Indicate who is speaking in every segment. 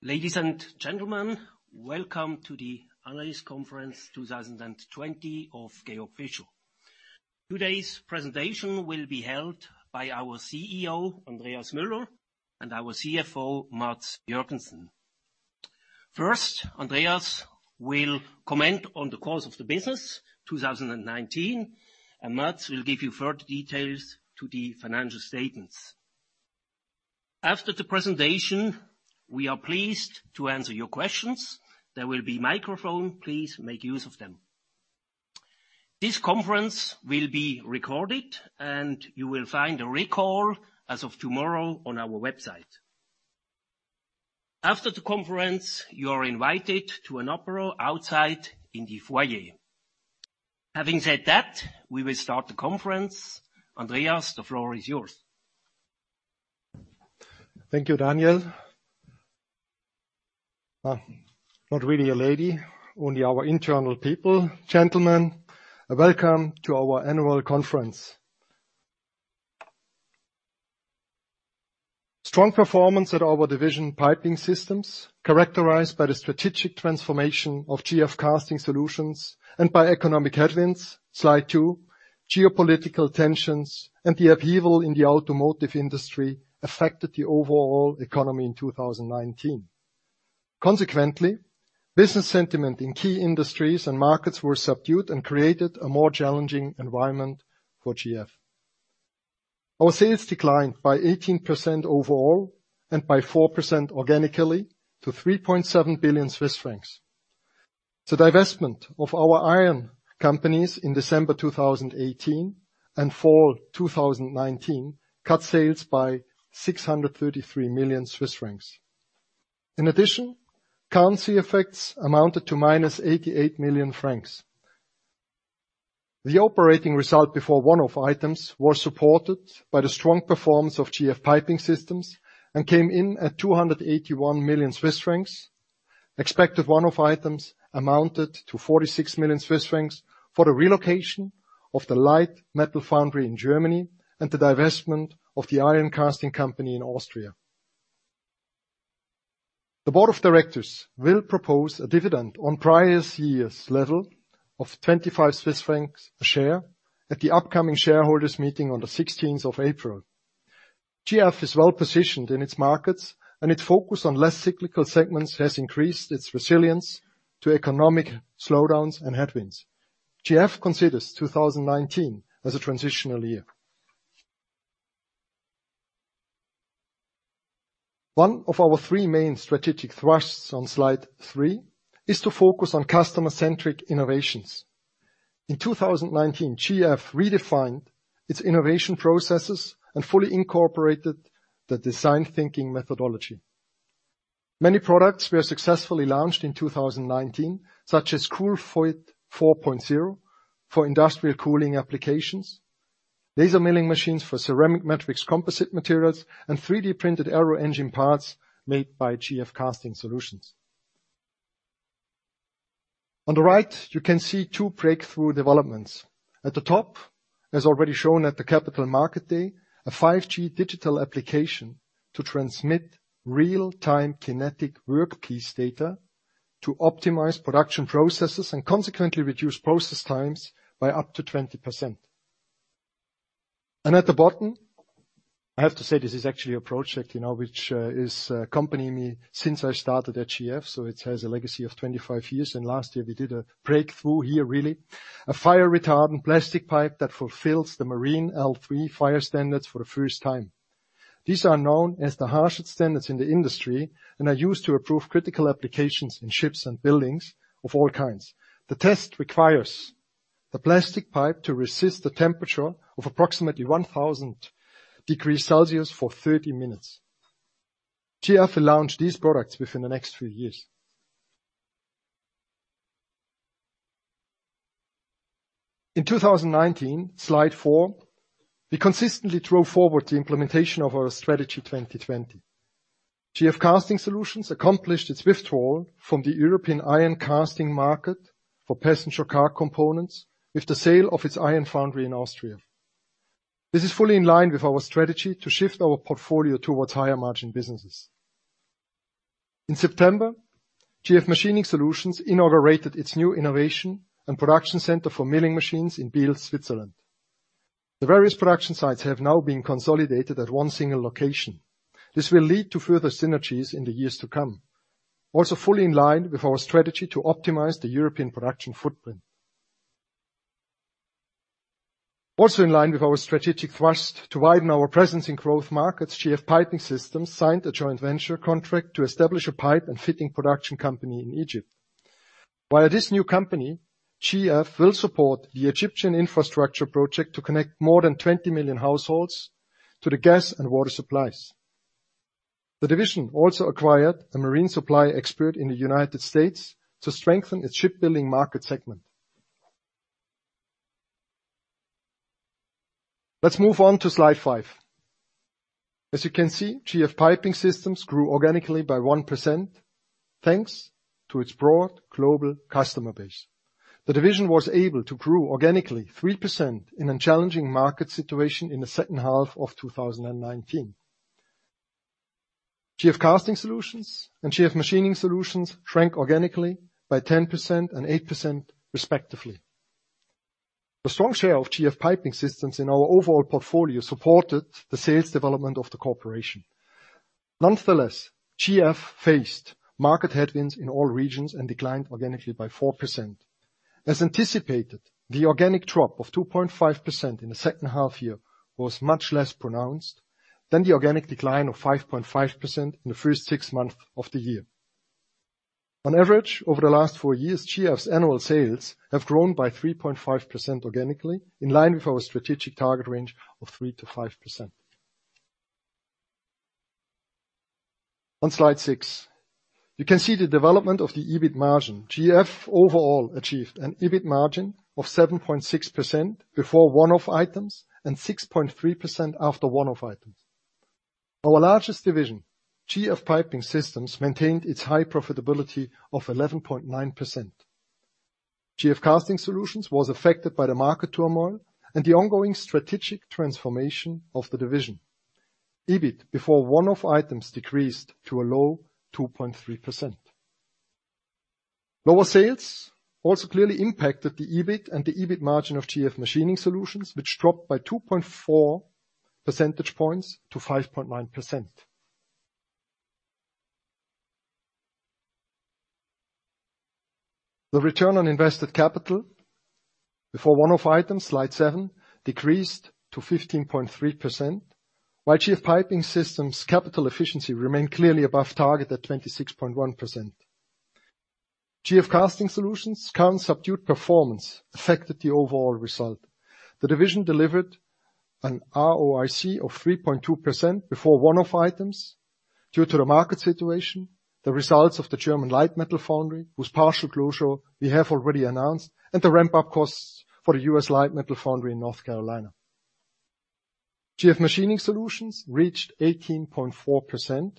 Speaker 1: Ladies and gentlemen, welcome to the Analyst Conference 2020 of Georg Fischer. Today's presentation will be held by our CEO, Andreas Müller, and our CFO, Mads Joergensen. First, Andreas will comment on the course of the business 2019, and Mads will give you further details to the financial statements. After the presentation, we are pleased to answer your questions. There will be microphone, please make use of them. This conference will be recorded, and you will find a record as of tomorrow on our website. After the conference, you are invited to an apéro outside in the foyer. Having said that, we will start the conference. Andreas, the floor is yours.
Speaker 2: Thank you, Daniel. Not really a lady, only our internal people. Gentlemen, welcome to our annual conference. Strong performance at our division GF Piping Systems, characterized by the strategic transformation of GF Casting Solutions and by economic headwinds. Slide two, geopolitical tensions and the upheaval in the automotive industry affected the overall economy in 2019. Consequently, business sentiment in key industries and markets were subdued and created a more challenging environment for GF. Our sales declined by 18% overall and by 4% organically to 3.7 billion Swiss francs. The divestment of our iron companies in December 2018 and fall 2019 cut sales by 633 million Swiss francs. Currency effects amounted to -88 million francs. The operating result before one-off items was supported by the strong performance of GF Piping Systems and came in at 281 million Swiss francs. Expected one-off items amounted to 46 million Swiss francs for the relocation of the light metal foundry in Germany and the divestment of the iron casting company in Austria. The board of directors will propose a dividend on prior year's level of 25 Swiss francs a share at the upcoming shareholders meeting on the 16th of April. GF is well positioned in its markets, and its focus on less cyclical segments has increased its resilience to economic slowdowns and headwinds. GF considers 2019 as a transitional year. One of our three main strategic thrusts on slide three is to focus on customer-centric innovations. In 2019, GF redefined its innovation processes and fully incorporated the design thinking methodology. Many products were successfully launched in 2019, such as COOL-FIT 4.0 for industrial cooling applications, laser milling machines for ceramic matrix composite materials, and 3D-printed aero engine parts made by GF Casting Solutions. On the right, you can see two breakthrough developments. At the top, as already shown at the Capital Market Day, a 5G digital application to transmit real-time kinetic workpiece data to optimize production processes and consequently reduce process times by up to 20%. At the bottom, I have to say this is actually a project which is accompanying me since I started at GF, so it has a legacy of 25 years, and last year we did a breakthrough here really. A fire retardant plastic pipe that fulfills the Marine L3 fire standards for the first time. These are known as the harshest standards in the industry and are used to approve critical applications in ships and buildings of all kinds. The test requires the plastic pipe to resist the temperature of approximately 1,000 degrees Celsius for 30 minutes. GF will launch these products within the next few years. In 2019, slide four, we consistently drove forward the implementation of our Strategy 2020. GF Casting Solutions accomplished its withdrawal from the European iron casting market for passenger car components with the sale of its iron foundry in Austria. This is fully in line with our strategy to shift our portfolio towards higher margin businesses. In September, GF Machining Solutions inaugurated its new innovation and production center for milling machines in Biel, Switzerland. The various production sites have now been consolidated at one single location. This will lead to further synergies in the years to come. Also fully in line with our strategy to optimize the European production footprint. Also in line with our strategic thrust to widen our presence in growth markets, GF Piping Systems signed a joint venture contract to establish a pipe and fitting production company in Egypt. Via this new company, GF will support the Egyptian infrastructure project to connect more than 20 million households to the gas and water supplies. The division also acquired a marine supply expert in the U.S. to strengthen its shipbuilding market segment. Let's move on to slide five. As you can see, GF Piping Systems grew organically by 1% thanks to its broad global customer base. The division was able to grow organically 3% in a challenging market situation in the second half of 2019. GF Casting Solutions and GF Machining Solutions shrank organically by 10% and 8%, respectively. The strong share of GF Piping Systems in our overall portfolio supported the sales development of the corporation. Nonetheless, GF faced market headwinds in all regions and declined organically by 4%. As anticipated, the organic drop of 2.5% in the second half year was much less pronounced than the organic decline of 5.5% in the first six months of the year. On average, over the last four years, GF's annual sales have grown by 3.5% organically, in line with our strategic target range of 3%-5%. On slide six, you can see the development of the EBIT margin. GF overall achieved an EBIT margin of 7.6% before one-off items and 6.3% after one-off items. Our largest division, GF Piping Systems, maintained its high profitability of 11.9%. GF Casting Solutions was affected by the market turmoil and the ongoing strategic transformation of the division. EBIT before one-off items decreased to a low 2.3%. Lower sales also clearly impacted the EBIT and the EBIT margin of GF Machining Solutions, which dropped by 2.4 percentage points to 5.9%. The return on invested capital before one-off items, slide seven, decreased to 15.3%, while GF Piping Systems' capital efficiency remained clearly above target at 26.1%. GF Casting Solutions' current subdued performance affected the overall result. The division delivered an ROIC of 3.2% before one-off items due to the market situation, the results of the German light metal foundry, whose partial closure we have already announced, and the ramp-up costs for the U.S. light metal foundry in North Carolina. GF Machining Solutions reached 18.4%.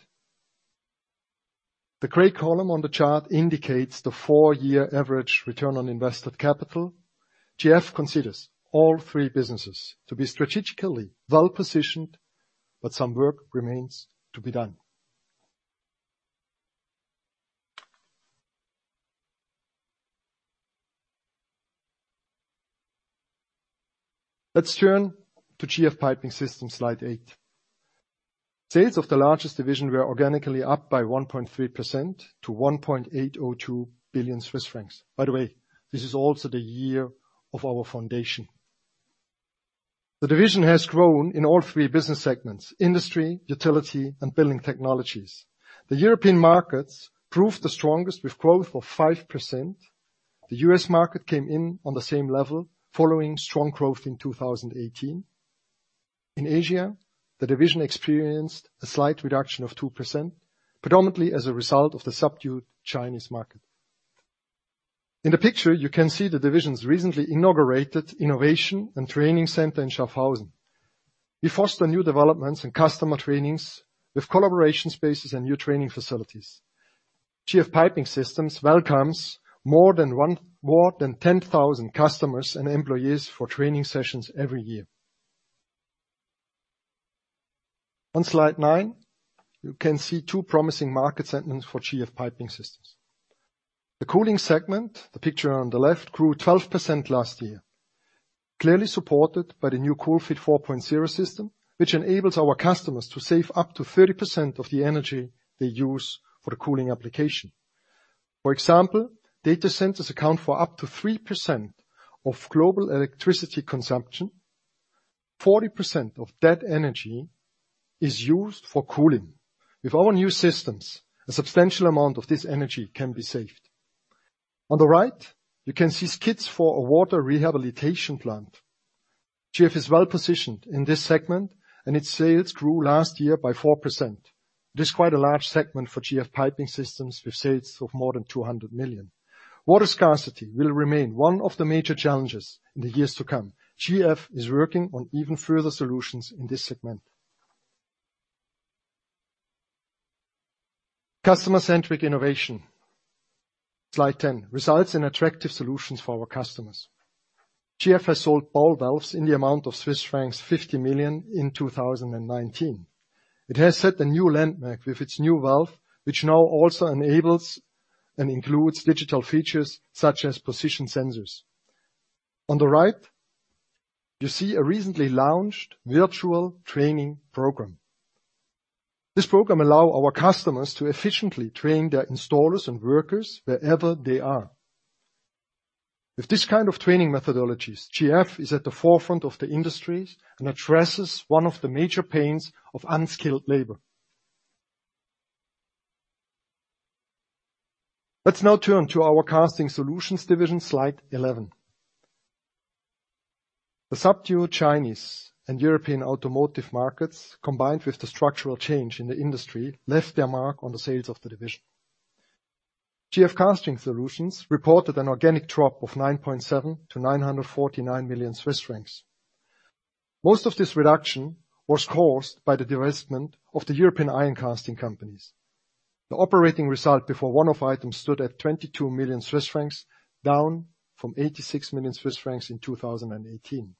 Speaker 2: The gray column on the chart indicates the four-year average return on invested capital. GF considers all three businesses to be strategically well-positioned, but some work remains to be done. Let's turn to GF Piping Systems, slide eight. Sales of the largest division were organically up by 1.3% to 1.802 billion Swiss francs. By the way, this is also the year of our foundation. The division has grown in all three business segments: industry, utility, and building technologies. The European markets proved the strongest with growth of 5%. The U.S. market came in on the same level following strong growth in 2018. In Asia, the division experienced a slight reduction of 2%, predominantly as a result of the subdued Chinese market. In the picture, you can see the division's recently inaugurated innovation and training center in Schaffhausen. We foster new developments and customer trainings with collaboration spaces and new training facilities. GF Piping Systems welcomes more than 10,000 customers and employees for training sessions every year. On slide nine, you can see two promising market segments for GF Piping Systems. The cooling segment, the picture on the left, grew 12% last year, clearly supported by the new COOL-FIT 4.0 system, which enables our customers to save up to 30% of the energy they use for the cooling application. For example, data centers account for up to 3% of global electricity consumption, 40% of that energy is used for cooling. With our new systems, a substantial amount of this energy can be saved. On the right, you can see skids for a water rehabilitation plant. GF is well-positioned in this segment, and its sales grew last year by 4%. It is quite a large segment for GF Piping Systems, with sales of more than 200 million. Water scarcity will remain one of the major challenges in the years to come. GF is working on even further solutions in this segment. Customer-centric innovation, slide 10, results in attractive solutions for our customers. GF has sold ball valves in the amount of Swiss francs 50 million in 2019. It has set a new landmark with its new valve, which now also enables and includes digital features such as position sensors. On the right, you see a recently launched virtual training program. This program allow our customers to efficiently train their installers and workers wherever they are. With this kind of training methodologies, GF is at the forefront of the industries and addresses one of the major pains of unskilled labor. Let's now turn to our Casting Solutions division, slide 11. The subdued Chinese and European automotive markets, combined with the structural change in the industry, left their mark on the sales of the division. GF Casting Solutions reported an organic drop of 9.7% to 949 million Swiss francs. Most of this reduction was caused by the divestment of the European iron casting companies. The operating result before one-off items stood at 22 million Swiss francs, down from 86 million Swiss francs in 2018.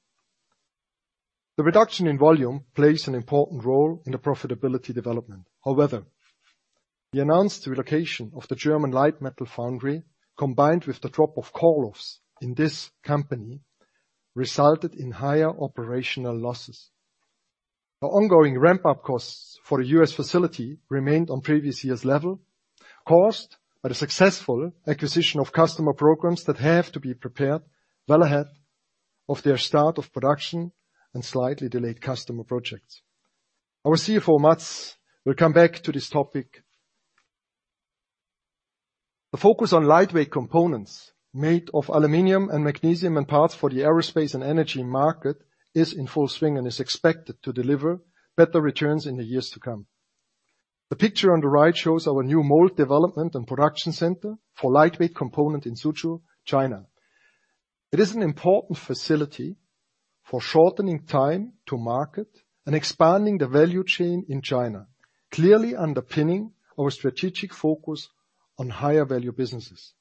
Speaker 2: The reduction in volume plays an important role in the profitability development. The announced relocation of the German light metal foundry, combined with the drop of call-offs in this company, resulted in higher operational losses. The ongoing ramp-up costs for the U.S. facility remained on previous year's level, caused by the successful acquisition of customer programs that have to be prepared well ahead of their start of production, and slightly delayed customer projects. Our CFO, Mads, will come back to this topic. The focus on lightweight components made of aluminum and magnesium and parts for the aerospace and energy market is in full swing and is expected to deliver better returns in the years to come. The picture on the right shows our new mold development and production center for lightweight component in Suzhou, China. It is an important facility for shortening time to market and expanding the value chain in China, clearly underpinning our strategic focus on higher value businesses.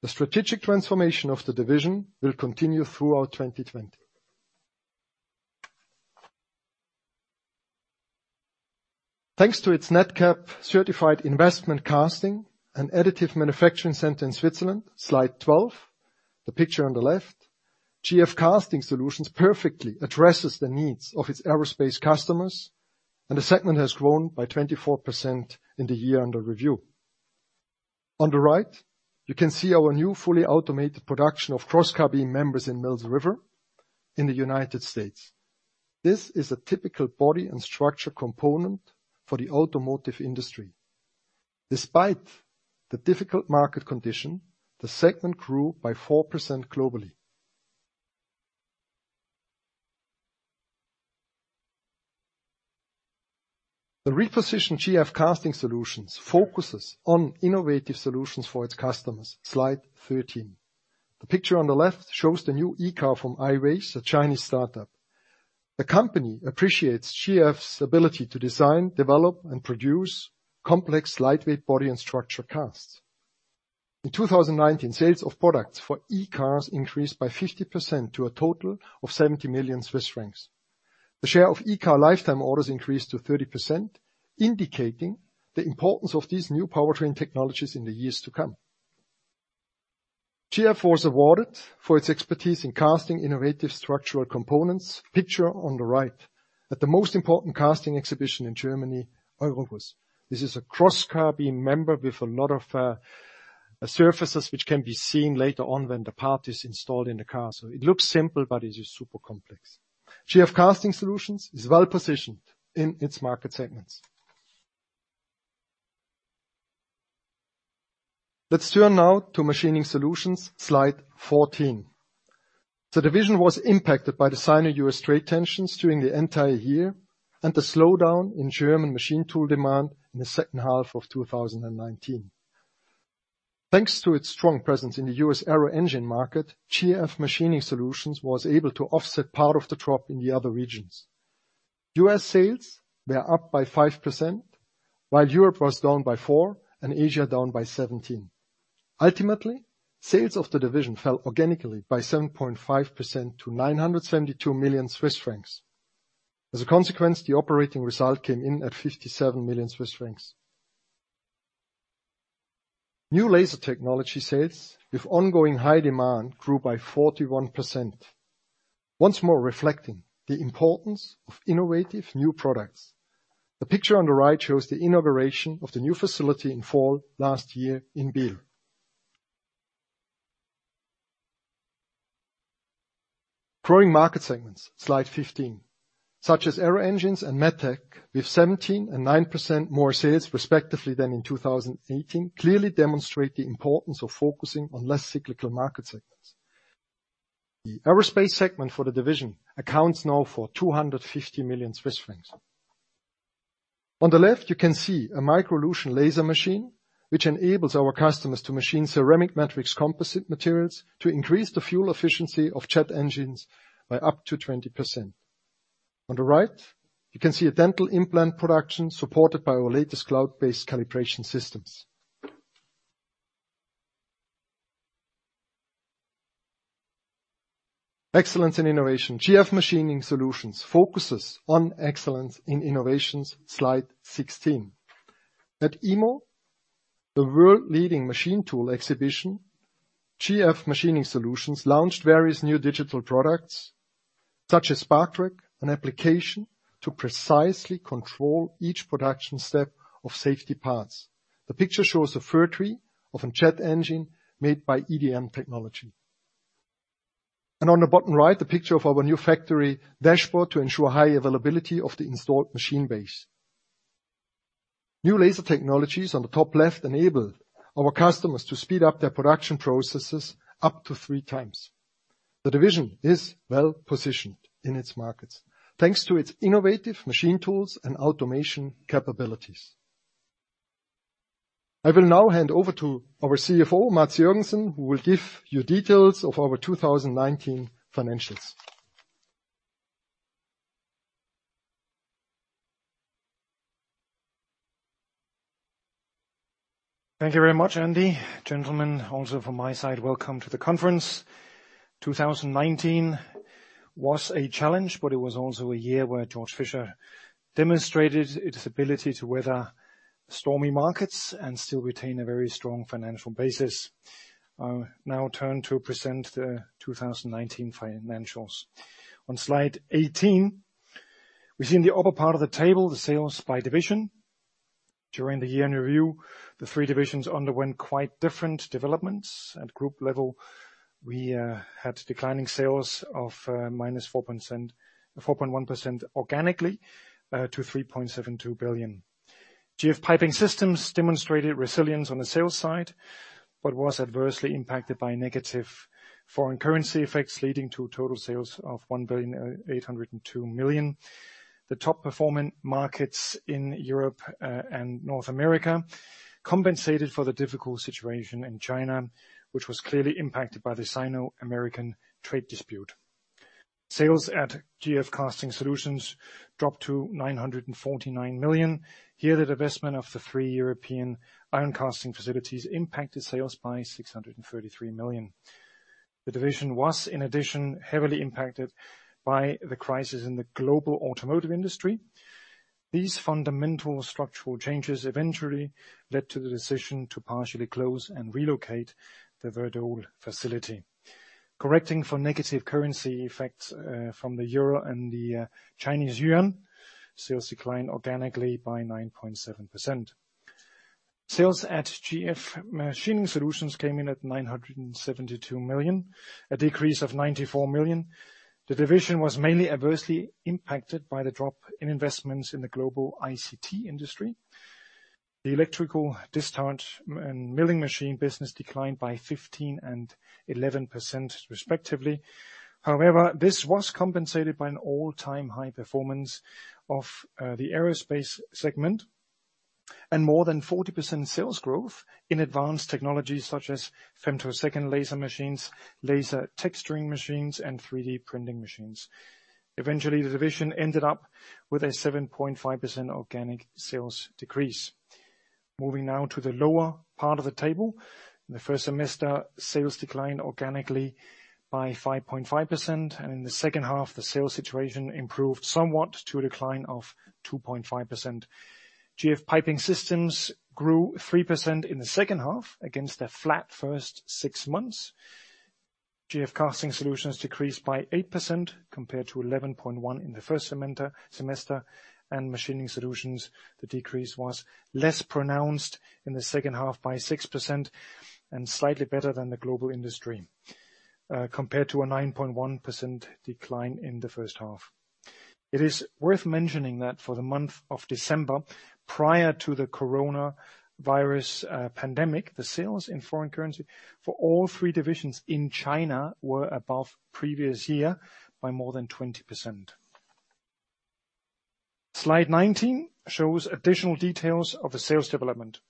Speaker 2: The strategic transformation of the division will continue throughout 2020. Thanks to its Nadcap certified investment casting and additive manufacturing center in Switzerland, slide 12, the picture on the left, GF Casting Solutions perfectly addresses the needs of its aerospace customers, and the segment has grown by 24% in the year under review. On the right, you can see our new fully automated production of cross-cab beam members in Mills River in the United States. This is a typical body and structure component for the automotive industry. Despite the difficult market condition, the segment grew by 4% globally. The repositioned GF Casting Solutions focuses on innovative solutions for its customers. Slide 13. The picture on the left shows the new e-car from Aiways, a Chinese startup. The company appreciates GF's ability to design, develop, and produce complex lightweight body and structure casts. In 2019, sales of products for e-cars increased by 50% to a total of 70 million Swiss francs. The share of e-car lifetime orders increased to 30%, indicating the importance of these new powertrain technologies in the years to come. GF was awarded for its expertise in casting innovative structural components, picture on the right, at the most important casting exhibition in Germany, EUROGUSS. This is a cross-cab beam member with a lot of surfaces, which can be seen later on when the part is installed in the car. It looks simple, but it is super complex. GF Casting Solutions is well positioned in its market segments. Let's turn now to Machining Solutions, slide 14. The division was impacted by the Sino-U.S. trade tensions during the entire year, and the slowdown in German machine tool demand in the second half of 2019. Thanks to its strong presence in the U.S. aero-engine market, GF Machining Solutions was able to offset part of the drop in the other regions. U.S. sales were up by 5%, while Europe was down by 4%, and Asia down by 17%. Ultimately, sales of the division fell organically by 7.5% to 972 million Swiss francs. As a consequence, the operating result came in at 57 million Swiss francs. New laser technology sales, with ongoing high demand, grew by 41%, once more reflecting the importance of innovative new products. The picture on the right shows the inauguration of the new facility in fall last year in Biel. Growing market segments, slide 15, such as Aero Engines and Medtech, with 17% and 9% more sales respectively than in 2018, clearly demonstrate the importance of focusing on less cyclical market segments. The aerospace segment for the division accounts now for 250 million Swiss francs. On the left, you can see a Microlution laser machine, which enables our customers to machine ceramic matrix composite materials to increase the fuel efficiency of jet engines by up to 20%. On the right, you can see a dental implant production supported by our latest cloud-based calibration systems. Excellence in innovation. GF Machining Solutions focuses on excellence in innovations, slide 16. At EMO, the world-leading machine tool exhibition, GF Machining Solutions launched various new digital products, such as Spark Track, an application to precisely control each production step of safety parts. The picture shows the fir tree of a jet engine made by EDM technology. On the bottom right, the picture of our new factory dashboard to ensure high availability of the installed machine base. New laser technologies on the top left enable our customers to speed up their production processes up to three times. The division is well positioned in its markets thanks to its innovative machine tools and automation capabilities. I will now hand over to our CFO, Mads Joergensen, who will give you details of our 2019 financials.
Speaker 3: Thank you very much, Andy. Gentlemen, also from my side, welcome to the conference. 2019 was a challenge, but it was also a year where Georg Fischer demonstrated its ability to weather stormy markets and still retain a very strong financial basis. I will now turn to present the 2019 financials. On slide 18, we see in the upper part of the table the sales by division. During the year-end review, the three divisions underwent quite different developments. At group level, we had declining sales of -4.1% organically to 3.72 billion. GF Piping Systems demonstrated resilience on the sales side, but was adversely impacted by negative foreign currency effects, leading to total sales of 1.802 billion. The top-performing markets in Europe and North America compensated for the difficult situation in China, which was clearly impacted by the Sino-American trade dispute. Sales at GF Casting Solutions dropped to 949 million. Here, the divestment of the three European iron casting facilities impacted sales by 633 million. The division was, in addition, heavily impacted by the crisis in the global automotive industry. These fundamental structural changes eventually led to the decision to partially close and relocate the Werdohl facility. Correcting for negative currency effects from the Euro and the Chinese Yuan, sales declined organically by 9.7%. Sales at GF Machining Solutions came in at 972 million, a decrease of 94 million. The division was mainly adversely impacted by the drop in investments in the global ICT industry. The electrical discharge and milling machine business declined by 15% and 11%, respectively. This was compensated by an all-time high performance of the aerospace segment and more than 40% sales growth in advanced technologies such as femtosecond laser machines, laser texturing machines, and 3D printing machines. Eventually, the division ended up with a 7.5% organic sales decrease. Moving now to the lower part of the table. In the first semester, sales declined organically by 5.5%, and in the second half, the sales situation improved somewhat to a decline of 2.5%. GF Piping Systems grew 3% in the second half against a flat first six months. GF Casting Solutions decreased by 8% compared to 11.1% in the first semester. Machining Solutions, the decrease was less pronounced in the second half by 6% and slightly better than the global industry, compared to a 9.1% decline in the first half. It is worth mentioning that for the month of December, prior to the coronavirus pandemic, the sales in foreign currency for all three divisions in China were above previous year by more than 20%. Slide 19 shows additional details of the sales development.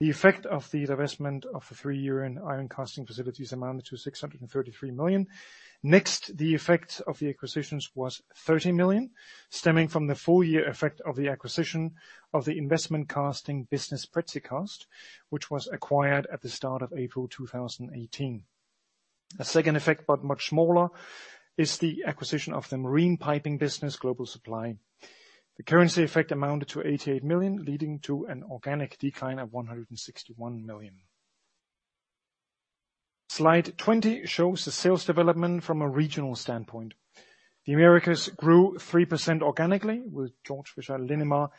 Speaker 3: The effect of the divestment of the three-year iron casting facilities amounted to 633 million. The effect of the acquisitions was 30 million, stemming from the full year effect of the acquisition of the investment casting business, Precicast, which was acquired at the start of April 2018. A second effect, but much smaller, is the acquisition of the marine piping business, Global Supply. The currency effect amounted to 88 million, leading to an organic decline of 161 million. Slide 20 shows the sales development from a regional standpoint. The Americas grew 3% organically, with GF Linamar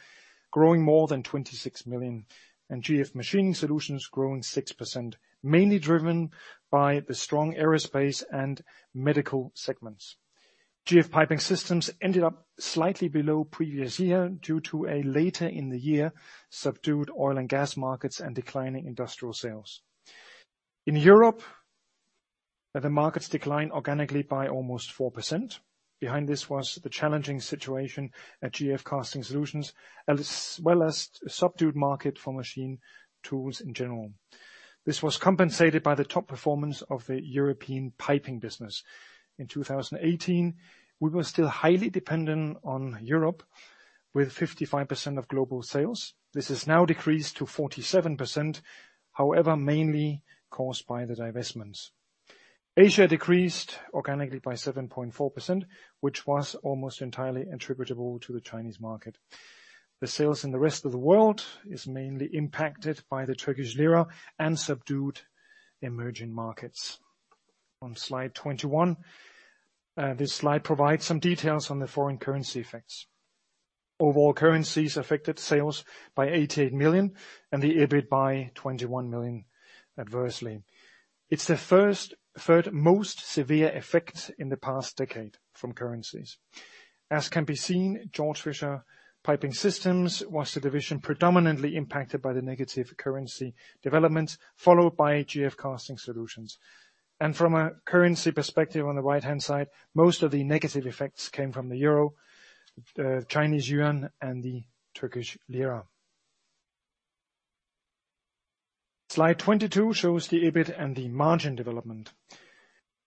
Speaker 3: growing more than 26 million, and GF Machining Solutions growing 6%, mainly driven by the strong aerospace and medical segments. GF Piping Systems ended up slightly below previous year due to a later in the year subdued oil and gas markets and declining industrial sales. In Europe, the markets declined organically by almost 4%. Behind this was the challenging situation at GF Casting Solutions, as well as a subdued market for machine tools in general. This was compensated by the top performance of the European piping business. In 2018, we were still highly dependent on Europe with 55% of global sales. This has now decreased to 47%, however, mainly caused by the divestments. Asia decreased organically by 7.4%, which was almost entirely attributable to the Chinese market. The sales in the rest of the world is mainly impacted by the Turkish lira and subdued emerging markets. On slide 21, this slide provides some details on the foreign currency effects. Overall, currencies affected sales by 88 million and the EBIT by 21 million adversely. It's the third most severe effect in the past decade from currencies. As can be seen, Georg Fischer Piping Systems was the division predominantly impacted by the negative currency developments, followed by GF Casting Solutions. From a currency perspective, on the right-hand side, most of the negative effects came from the Euro, the Chinese Yuan, and the Turkish lira. Slide 22 shows the EBIT and the margin development.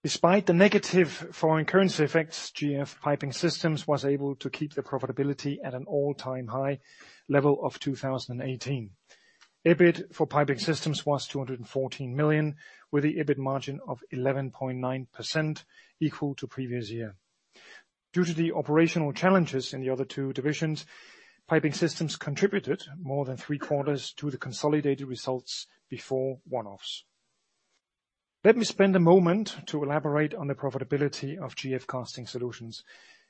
Speaker 3: Despite the negative foreign currency effects, GF Piping Systems was able to keep the profitability at an all-time high level of 2018. EBIT for piping systems was 214 million, with the EBIT margin of 11.9% equal to previous year. Due to the operational challenges in the other two divisions, piping systems contributed more than three-quarters to the consolidated results before one-offs. Let me spend a moment to elaborate on the profitability of GF Casting Solutions.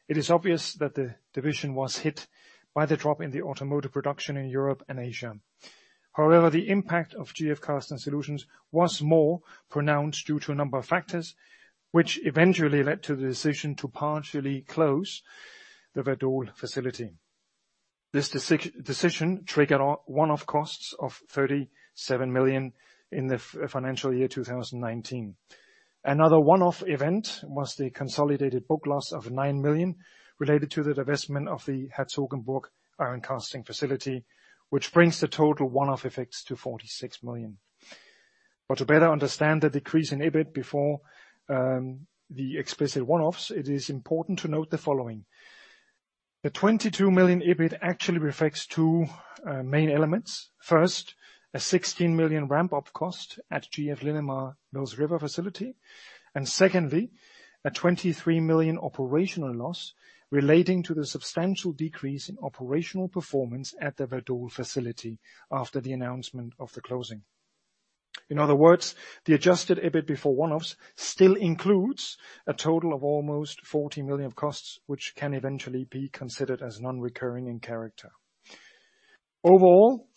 Speaker 3: It is obvious that the division was hit by the drop in the automotive production in Europe and Asia. However, the impact of GF Casting Solutions was more pronounced due to a number of factors, which eventually led to the decision to partially close the Werdohl facility. This decision triggered one-off costs of 37 million in the financial year 2019. Another one-off event was the consolidated book loss of 9 million related to the divestment of the Herzogenburg iron casting facility, which brings the total one-off effects to 46 million. To better understand the decrease in EBIT before the explicit one-offs, it is important to note the following. The 22 million EBIT actually reflects two main elements. First, a 16 million ramp-up cost at GF Linamar Mills River facility. Secondly, a 23 million operational loss relating to the substantial decrease in operational performance at the Werdohl facility after the announcement of the closing. In other words, the adjusted EBIT before one-offs still includes a total of almost 40 million of costs, which can eventually be considered as non-recurring in character. Overall,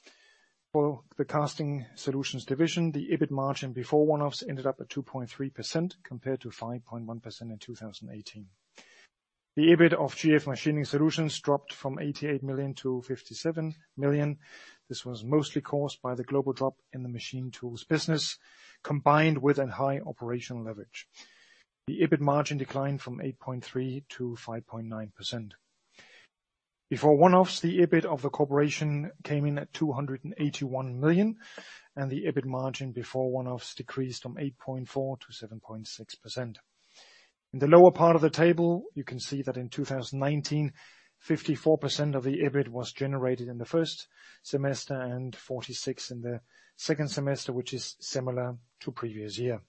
Speaker 3: for the GF Casting Solutions division, the EBIT margin before one-offs ended up at 2.3% compared to 5.1% in 2018. The EBIT of GF Machining Solutions dropped from 88 million to 57 million. This was mostly caused by the global drop in the machine tools business, combined with a high operational leverage. The EBIT margin declined from 8.3% to 5.9%. Before one-offs, the EBIT of the corporation came in at 281 million, and the EBIT margin before one-offs decreased from 8.4% to 7.6%. In the lower part of the table, you can see that in 2019, 54% of the EBIT was generated in the first semester and 46% in the second semester, which is similar to previous year.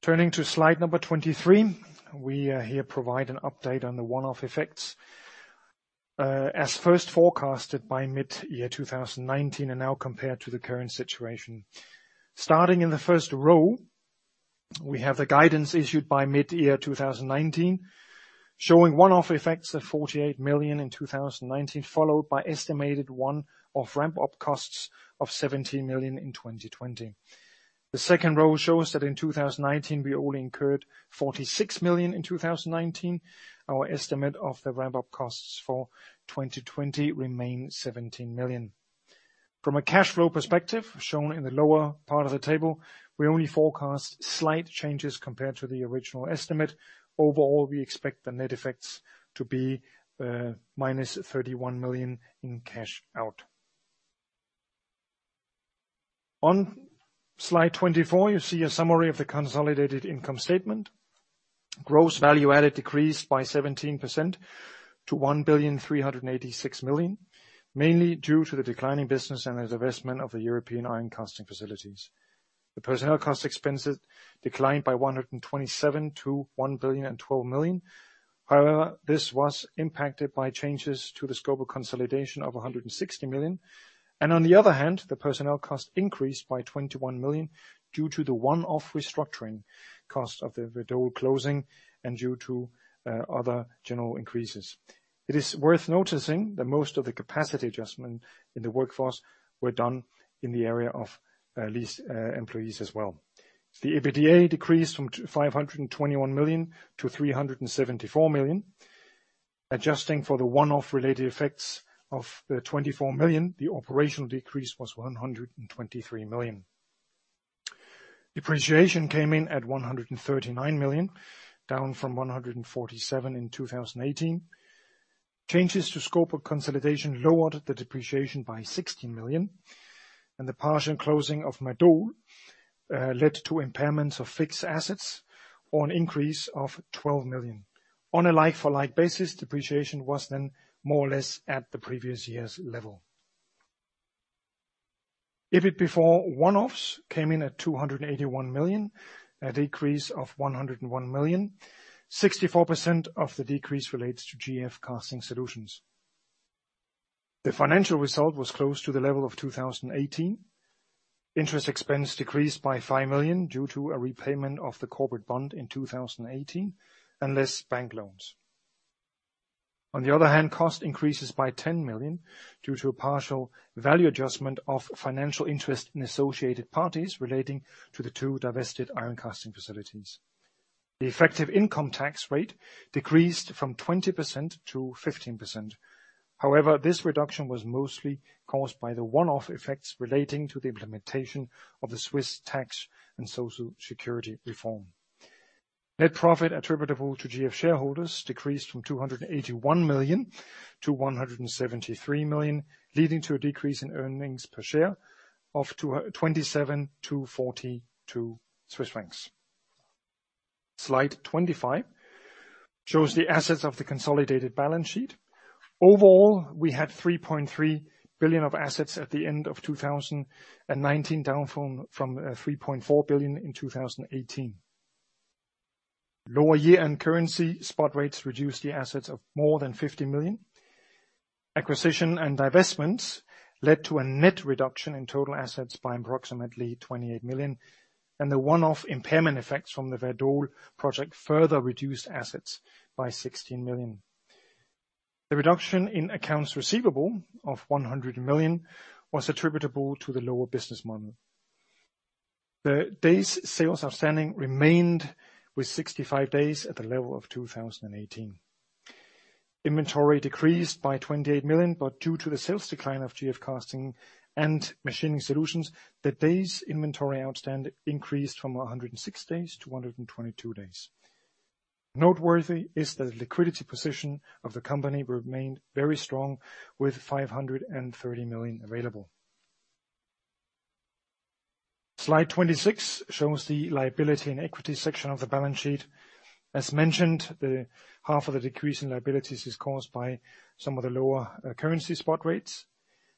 Speaker 3: Turning to slide number 23. We here provide an update on the one-off effects. As first forecasted by mid-year 2019 are now compared to the current situation. Starting in the first row, we have the guidance issued by mid-year 2019, showing one-off effects of 48 million in 2019, followed by estimated one-off ramp-up costs of 17 million in 2020. The second row shows that in 2019, we only incurred 46 million in 2019. Our estimate of the ramp-up costs for 2020 remain 17 million. From a cash flow perspective, shown in the lower part of the table, we only forecast slight changes compared to the original estimate. Overall, we expect the net effects to be minus 31 million in cash out. On slide 24, you see a summary of the consolidated income statement. Gross value added decreased by 17% to 1,386 million, mainly due to the declining business and the divestment of the European iron casting facilities. The personnel cost expenses declined by 127 million to CHF 1,012 million. This was impacted by changes to the scope of consolidation of 160 million. On the other hand, the personnel cost increased by 21 million due to the one-off restructuring cost of the Werdohl closing and due to other general increases. It is worth noticing that most of the capacity adjustment in the workforce were done in the area of leased employees as well. The EBITDA decreased from 521 million to 374 million. Adjusting for the one-off related effects of the 24 million, the operational decrease was 123 million. Depreciation came in at 139 million, down from 147 million in 2018. Changes to scope of consolidation lowered the depreciation by 16 million, and the partial closing of Werdohl led to impairments of fixed assets or an increase of 12 million. On a like-for-like basis, depreciation was then more or less at the previous year's level. EBIT before one-offs came in at 281 million, a decrease of 101 million. 64% of the decrease relates to GF Casting Solutions. The financial result was close to the level of 2018. Interest expense decreased by 5 million due to a repayment of the corporate bond in 2018 and less bank loans. Cost increases by 10 million due to a partial value adjustment of financial interest in associated parties relating to the two divested iron casting facilities. The effective income tax rate decreased from 20% to 15%. This reduction was mostly caused by the one-off effects relating to the implementation of the Swiss tax and social security reform. Net profit attributable to GF shareholders decreased from 281 million to 173 million, leading to a decrease in earnings per share of 27 to 42 Swiss francs. Slide 25 shows the assets of the consolidated balance sheet. We had 3.3 billion of assets at the end of 2019, down from 3.4 billion in 2018. Lower year-end currency spot rates reduced the assets of more than 50 million. Acquisition and divestments led to a net reduction in total assets by approximately 28 million, and the one-off impairment effects from the Werdohl project further reduced assets by 16 million. The reduction in accounts receivable of 100 million was attributable to the lower business model. The days sales outstanding remained with 65 days at the level of 2018. Inventory decreased by 28 million, but due to the sales decline of GF Casting Solutions and GF Machining Solutions, the days inventory outstanding increased from 106 days to 122 days. Noteworthy is the liquidity position of the company remained very strong, with 530 million available. Slide 26 shows the liability and equity section of the balance sheet. As mentioned, the half of the decrease in liabilities is caused by some of the lower currency spot rates.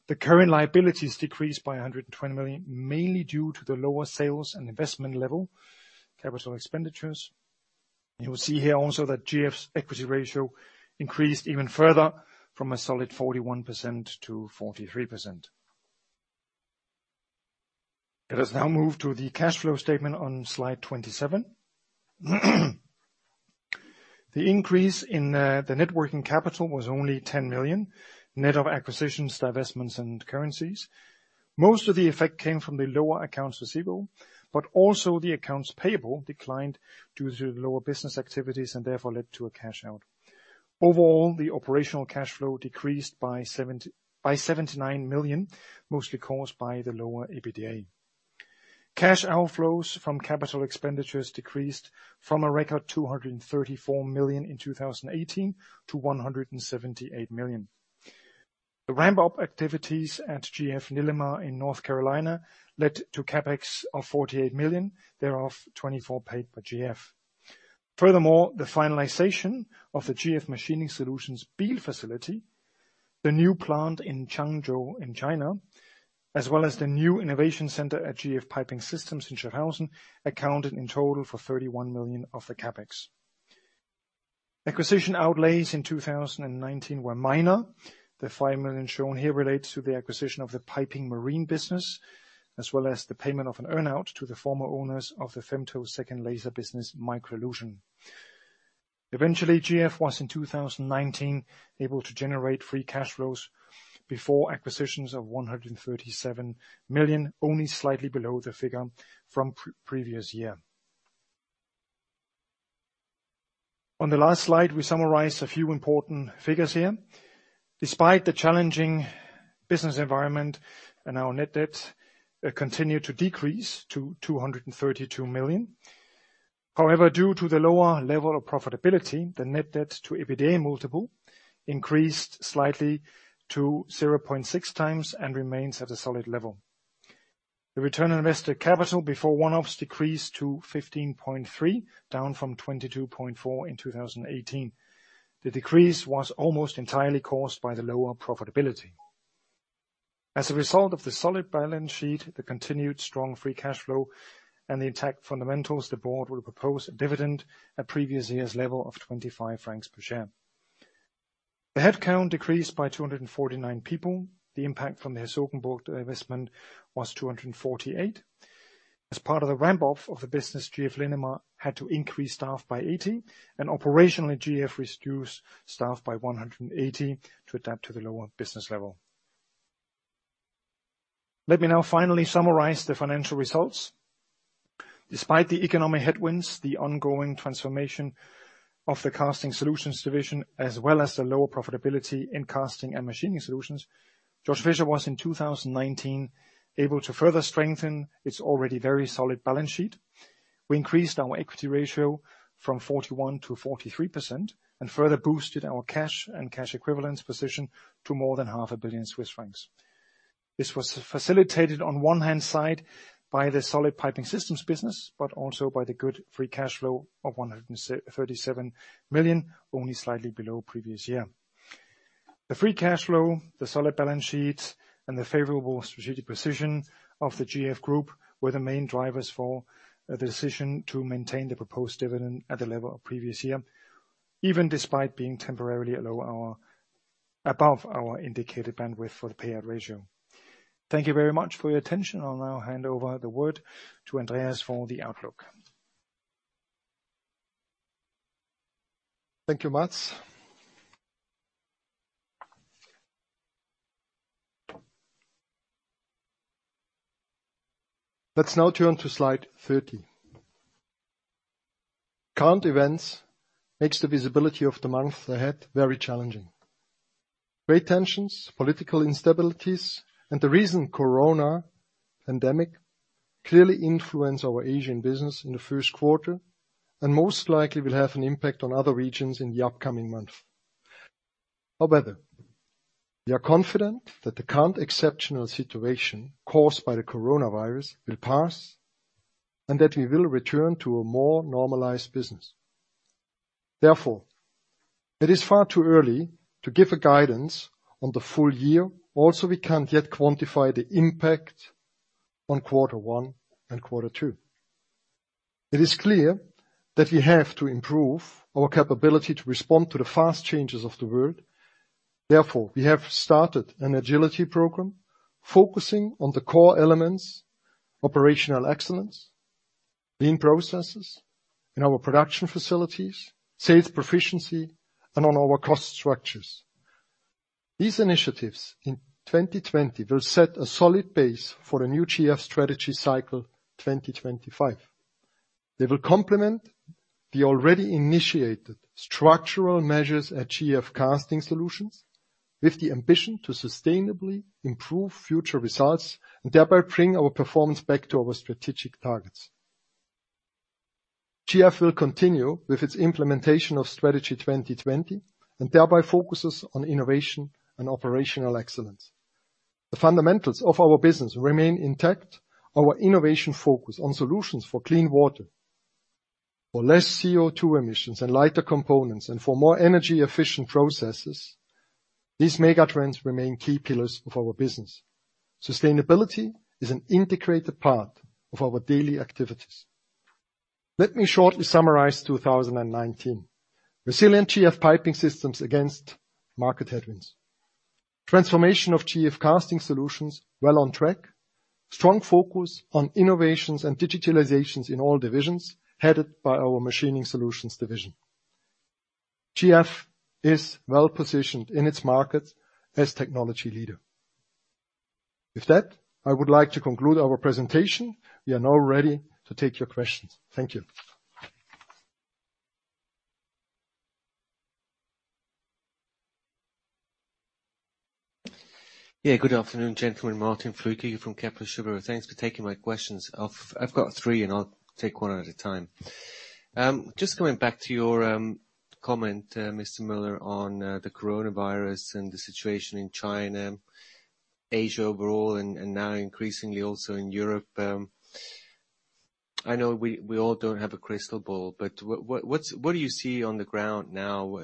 Speaker 3: The current liabilities decreased by 120 million, mainly due to the lower sales and investment level capital expenditures. You will see here also that GF's equity ratio increased even further from a solid 41% to 43%. Let us now move to the cash flow statement on Slide 27. The increase in the net working capital was only 10 million, net of acquisitions, divestments, and currencies. Also the accounts payable declined due to the lower business activities and therefore led to a cash out. Overall, the operational cash flow decreased by 79 million, mostly caused by the lower EBITDA. Cash outflows from CapEx decreased from a record 234 million in 2018 to 178 million. The ramp-up activities at GF Linamar in North Carolina led to CapEx of 48 million, thereof 24 paid by GF. The finalization of the GF Machining Solutions Biel facility, the new plant in Changzhou in China, as well as the new innovation center at GF Piping Systems in Schiltach accounted in total for 31 million of the CapEx. Acquisition outlays in 2019 were minor. The 5 million shown here relates to the acquisition of the piping marine business, as well as the payment of an earn-out to the former owners of the femtosecond laser business, Microlution. GF was in 2019 able to generate free cash flows before acquisitions of 137 million, only slightly below the figure from previous year. On the last slide, we summarize a few important figures here. Despite the challenging business environment, our net debt continue to decrease to 232 million. Due to the lower level of profitability, the net debt to EBITDA multiple increased slightly to 0.6 times and remains at a solid level. The return on invested capital before one-offs decreased to 15.3%, down from 22.4% in 2018. The decrease was almost entirely caused by the lower profitability. As a result of the solid balance sheet, the continued strong free cash flow, and the intact fundamentals, the board will propose a dividend at previous year's level of 25 francs per share. The headcount decreased by 249 people. The impact from the Herzogenburg divestment was 248. As part of the ramp-off of the business, GF Linamar had to increase staff by 80, and operationally, GF reduced staff by 180 to adapt to the lower business level. Let me now finally summarize the financial results. Despite the economic headwinds, the ongoing transformation of the Casting Solutions division, as well as the lower profitability in Casting and Machining Solutions, Georg Fischer was in 2019 able to further strengthen its already very solid balance sheet. We increased our equity ratio from 41% to 43% and further boosted our cash and cash equivalence position to more than 500 million Swiss francs. This was facilitated on one hand side by the solid Piping Systems business, also by the good free cash flow of 137 million, only slightly below previous year. The free cash flow, the solid balance sheet, and the favorable strategic position of the GF Group were the main drivers for the decision to maintain the proposed dividend at the level of previous year, even despite being temporarily above our indicated bandwidth for the payout ratio. Thank you very much for your attention. I'll now hand over the word to Andreas for the outlook.
Speaker 2: Thank you, Mads. Let's now turn to slide 30. Current events makes the visibility of the month ahead very challenging. Great tensions, political instabilities, and the recent corona pandemic clearly influence our Asian business in the first quarter, and most likely will have an impact on other regions in the upcoming month. We are confident that the current exceptional situation caused by the coronavirus will pass, and that we will return to a more normalized business. It is far too early to give a guidance on the full year. We can't yet quantify the impact on quarter one and quarter two. It is clear that we have to improve our capability to respond to the fast changes of the world. We have started an agility program focusing on the core elements, operational excellence, lean processes in our production facilities, sales proficiency, and on our cost structures. These initiatives in 2020 will set a solid base for a new GF Strategy 2025. They will complement the already initiated structural measures at GF Casting Solutions with the ambition to sustainably improve future results, and thereby bring our performance back to our strategic targets. GF will continue with its implementation of Strategy 2020, and thereby focuses on innovation and operational excellence. The fundamentals of our business remain intact. Our innovation focus on solutions for clean water, for less CO2 emissions and lighter components, and for more energy efficient processes. These mega trends remain key pillars of our business. Sustainability is an integrated part of our daily activities. Let me shortly summarize 2019. Resilient GF Piping Systems against market headwinds. Transformation of GF Casting Solutions well on track. Strong focus on innovations and digitalizations in all divisions, headed by our GF Machining Solutions division. GF is well positioned in its market as technology leader. With that, I would like to conclude our presentation. We are now ready to take your questions. Thank you.
Speaker 4: Yeah, good afternoon, gentlemen. Martin Flückiger from Kepler Cheuvreux. Thanks for taking my questions. I've got three, and I'll take one at a time. Just going back to your comment, Mr. Müller, on the coronavirus and the situation in China, Asia overall, and now increasingly also in Europe. I know we all don't have a crystal ball. What do you see on the ground now,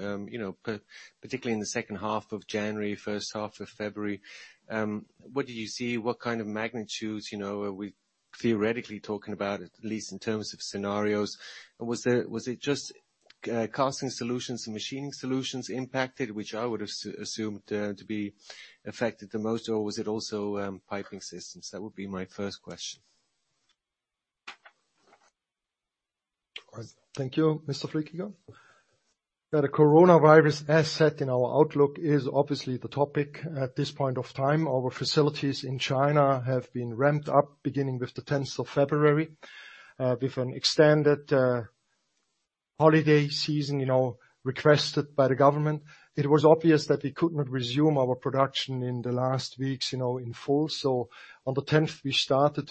Speaker 4: particularly in the second half of January, first half of February? What did you see? What kind of magnitudes are we theoretically talking about, at least in terms of scenarios? Was it just Casting Solutions and Machining Solutions impacted, which I would have assumed to be affected the most, or was it also Piping Systems? That would be my first question.
Speaker 2: All right. Thank you, Mr. Flückiger. The coronavirus, as said in our outlook, is obviously the topic at this point of time. Our facilities in China have been ramped up beginning with the 10th of February, with an extended holiday season requested by the government. It was obvious that we could not resume our production in the last weeks in full. On the 10th, we started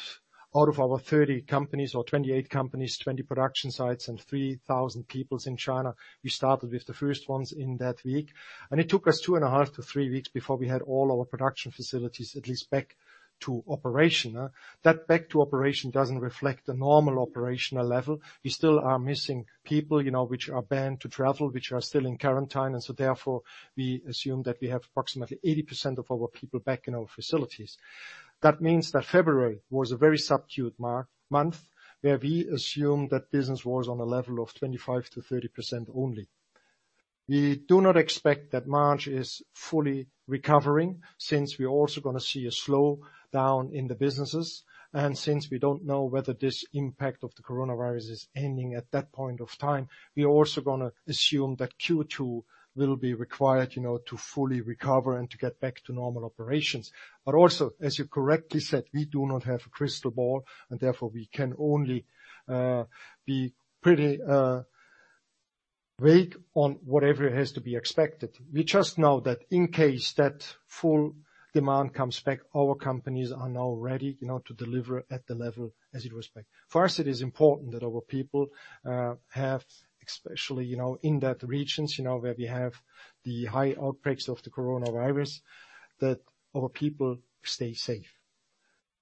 Speaker 2: out of our 30 companies or 28 companies, 20 production sites and 3,000 peoples in China. We started with the first ones in that week, and it took us two and a half to three weeks before we had all our production facilities at least back to operation. That back to operation doesn't reflect the normal operational level. We still are missing people which are banned to travel, which are still in quarantine. Therefore, we assume that we have approximately 80% of our people back in our facilities. That means that February was a very subdued month where we assume that business was on a level of 25%-30% only. We do not expect that March is fully recovering since we're also going to see a slowdown in the businesses. Since we don't know whether this impact of the coronavirus is ending at that point of time, we are also going to assume that Q2 will be required to fully recover and to get back to normal operations. Also, as you correctly said, we do not have a crystal ball and therefore we can only be pretty vague on whatever has to be expected. We just know that in case that full demand comes back, our companies are now ready to deliver at the level as it was back. First, it is important that our people have, especially in that regions where we have the high outbreaks of the coronavirus, that our people stay safe.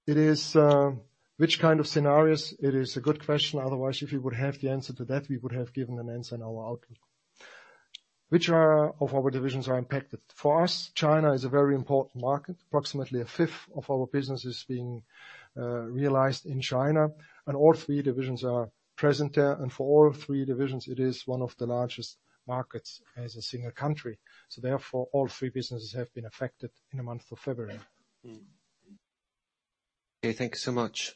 Speaker 2: Which kind of scenarios? It is a good question. Otherwise, if we would have the answer to that, we would have given an answer in our outlook. Which of our divisions are impacted? For us, China is a very important market. Approximately a fifth of our business is being realized in China, and all three divisions are present there. For all three divisions, it is one of the largest markets as a single country. Therefore, all three businesses have been affected in the month of February.
Speaker 4: Okay, thank you so much.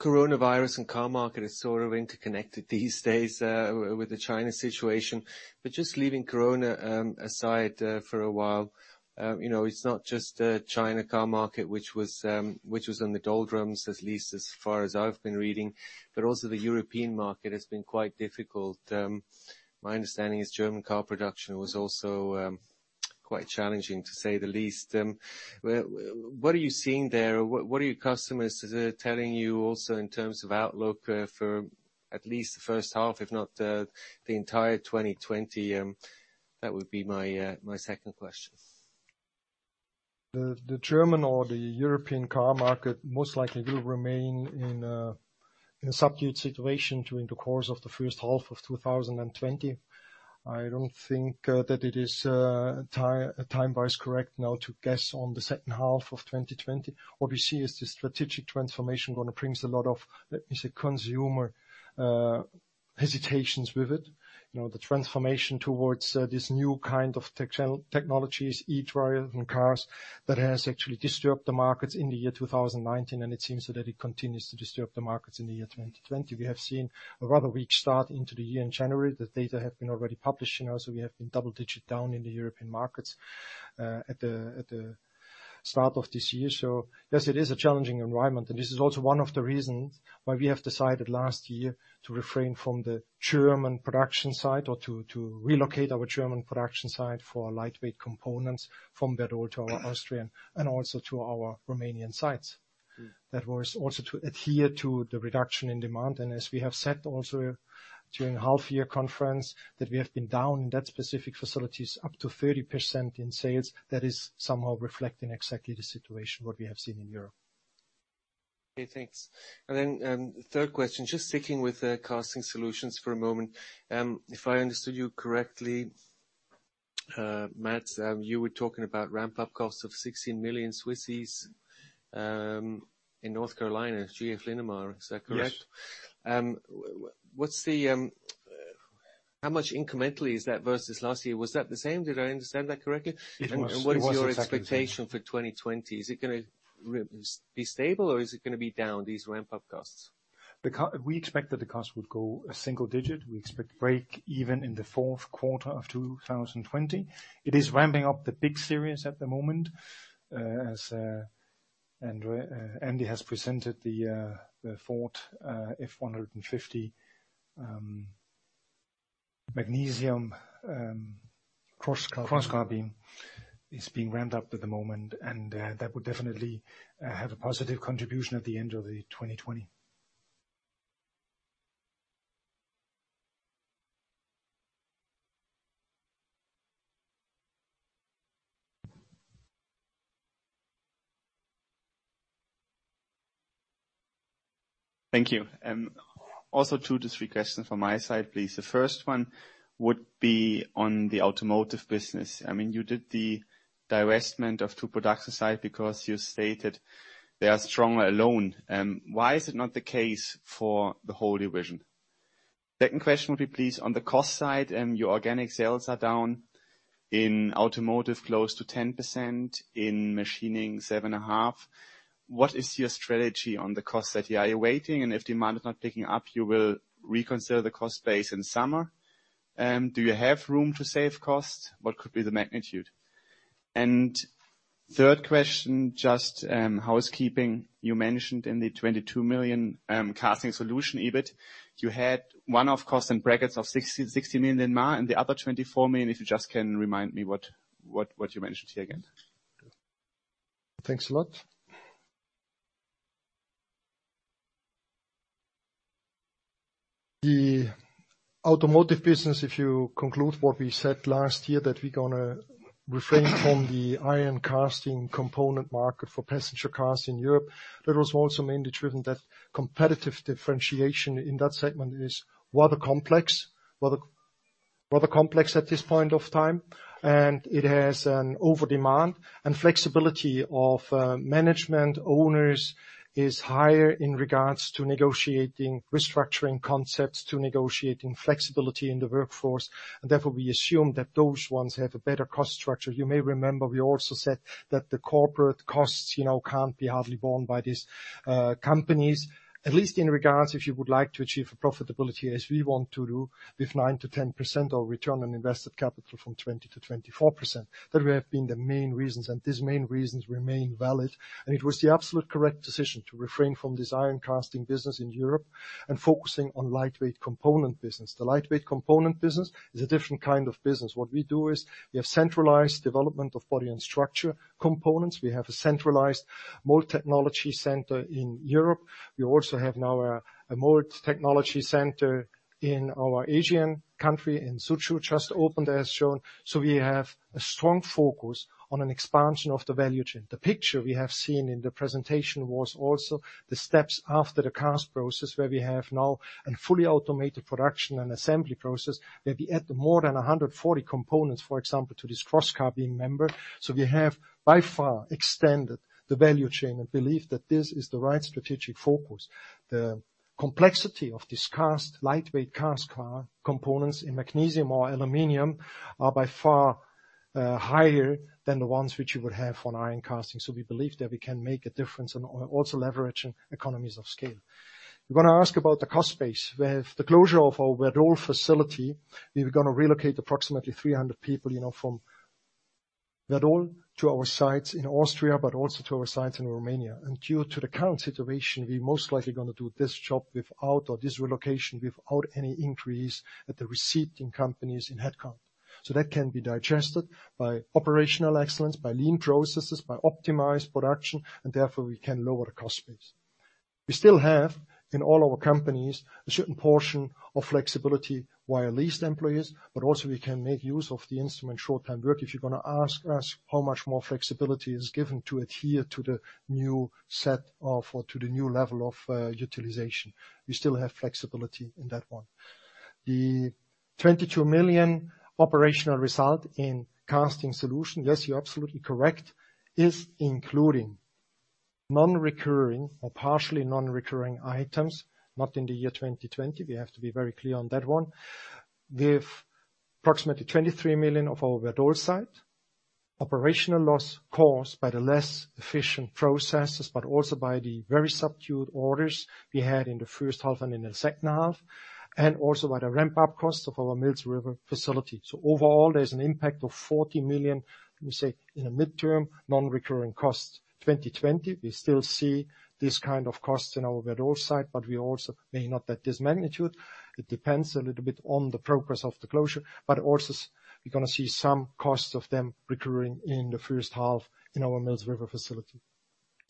Speaker 4: Coronavirus and car market is sort of interconnected these days with the China situation. Just leaving corona aside for a while, it's not just the China car market, which was in the doldrums, at least as far as I've been reading, but also the European market has been quite difficult. My understanding is German car production was also quite challenging, to say the least. What are you seeing there? What are your customers telling you also in terms of outlook for at least the first half, if not the entire 2020? That would be my second question.
Speaker 2: The German or the European car market most likely will remain in a subdued situation during the course of the first half of 2020. I don't think that it is time-wise correct now to guess on the second half of 2020. What we see is the strategic transformation going to bring a lot of consumer hesitations with it. The transformation towards these new kind of technologies, e-drive and cars, that has actually disturbed the markets in the year 2019. It seems that it continues to disturb the markets in the year 2020. We have seen a rather weak start into the year in January. The data have been already published. We have been double digit down in the European markets at the start of this year. Yes, it is a challenging environment, and this is also one of the reasons why we have decided last year to refrain from the German production side or to relocate our German production side for lightweight components from Werdohl to our Austrian and also to our Romanian sites. That was also to adhere to the reduction in demand. As we have said also during the half-year conference, that we have been down in that specific facilities up to 30% in sales. That is somehow reflecting exactly the situation, what we have seen in Europe.
Speaker 4: Okay, thanks. Third question, just sticking with Casting Solutions for a moment. If I understood you correctly, Mads, you were talking about ramp-up costs of 16 million, in North Carolina, GF Linamar, is that correct?
Speaker 3: Yes.
Speaker 4: How much incrementally is that versus last year? Was that the same? Did I understand that correctly?
Speaker 3: It was exactly the same.
Speaker 4: What is your expectation for 2020? Is it going to be stable or is it going to be down, these ramp-up costs?
Speaker 3: We expect that the cost would go a single digit. We expect to break even in the fourth quarter of 2020. It is ramping up the big series at the moment. As Andy has presented the Ford F-150, magnesium cross-car beam is being ramped up at the moment, and that would definitely have a positive contribution at the end of 2020.
Speaker 5: Thank you. Two to three questions from my side, please. The first one would be on the automotive business. You did the divestment of two production site because you stated they are stronger alone. Why is it not the case for the whole division? Second question would be please, on the cost side, your organic sales are down in automotive close to 10%, in Machining 7.5%. What is your strategy on the cost side? Are you waiting and if demand is not picking up, you will reconsider the cost base in summer? Do you have room to save costs? What could be the magnitude? Third question, just housekeeping. You mentioned in the 22 million Casting Solutions EBIT, you had one-off cost in brackets of 16 million in M&A, and the other 24 million, if you just can remind me what you mentioned here again.
Speaker 2: Thanks a lot. The automotive business, if you conclude what we said last year, that we're going to refrain from the iron casting component market for passenger cars in Europe. That was also mainly driven that competitive differentiation in that segment is rather complex at this point of time, and it has an overdemand, flexibility of management owners is higher in regards to negotiating restructuring concepts, to negotiating flexibility in the workforce. Therefore, we assume that those ones have a better cost structure. You may remember we also said that the corporate costs can't be hardly borne by these companies, at least in regards if you would like to achieve a profitability as we want to do, with 9%-10% of return on invested capital from 20%-24%. That would have been the main reasons, and these main reasons remain valid. It was the absolute correct decision to refrain from this iron casting business in Europe and focusing on lightweight component business. The lightweight component business is a different kind of business. What we do is we have centralized development of body and structure components. We have a centralized mold technology center in Europe. We also have now a mold technology center in our Asian country, in Suzhou, just opened as shown. We have a strong focus on an expansion of the value chain. The picture we have seen in the presentation was also the steps after the cast process, where we have now a fully automated production and assembly process, where we add more than 140 components, for example, to this cross-car beam member. We have by far extended the value chain and believe that this is the right strategic focus. The complexity of this lightweight cast car components in magnesium or aluminum are by far higher than the ones which you would have on iron casting. We believe that we can make a difference and also leverage economies of scale. You want to ask about the cost base. With the closure of our Werdohl facility, we were going to relocate approximately 300 people from Werdohl to our sites in Austria, but also to our sites in Romania. Due to the current situation, we most likely going to do this job or this relocation without any increase at the receipt in companies in headcount. That can be digested by operational excellence, by lean processes, by optimized production, and therefore we can lower the cost base. We still have, in all our companies, a certain portion of flexibility via leased employees. We can make use of the instrument short-time work. If you're going to ask us how much more flexibility is given to adhere to the new level of utilization, we still have flexibility in that one. The 22 million operational result in GF Casting Solutions, yes, you're absolutely correct, is including non-recurring or partially non-recurring items, not in the year 2020. We have to be very clear on that one. We have approximately 23 million of our Werdohl site operational loss caused by the less efficient processes, but also by the very subdued orders we had in the first half and in the second half, and also by the ramp-up cost of our Mills River facility. Overall, there's an impact of 40 million, we say, in the midterm, non-recurring costs 2020. We still see this kind of costs in our Werdohl site, maybe not at this magnitude. It depends a little bit on the progress of the closure, also we're going to see some costs of them recurring in the first half in our Mills River facility.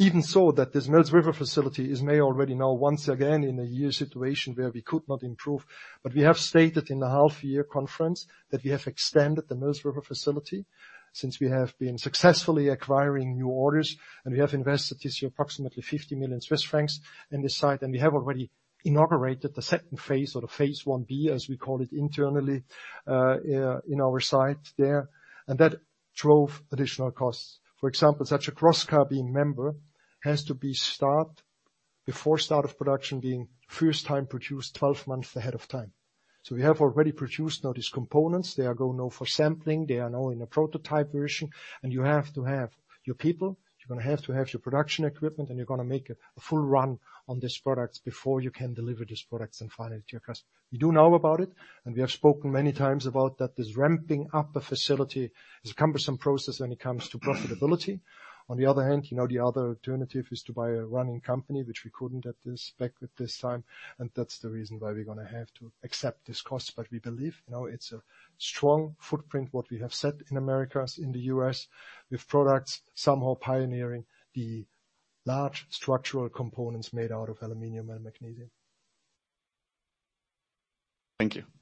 Speaker 2: Even so that this Mills River facility may already now once again in a year situation where we could not improve. We have stated in the half year conference that we have extended the Mills River facility since we have been successfully acquiring new orders, we have invested this year approximately 50 million Swiss francs in this site, and we have already inaugurated the second phase or the phase Ib, as we call it internally, in our site there. That drove additional costs. For example, such a cross cab being member has to be start before start of production, being first time produced 12 months ahead of time. We have already produced now these components. They are go now for sampling. They are now in a prototype version. You have to have your people, you're going to have to have your production equipment, and you're going to make a full run on this product before you can deliver this product and finally to your customer. We do know about it, and we have spoken many times about that. This ramping up a facility is a cumbersome process when it comes to profitability. On the other hand, the other alternative is to buy a running company, which we couldn't at this back with this time, and that's the reason why we're going to have to accept this cost. We believe it's a strong footprint, what we have set in Americas, in the U.S., with products somehow pioneering the large structural components made out of aluminum and magnesium.
Speaker 5: Thank you.
Speaker 6: Thank you.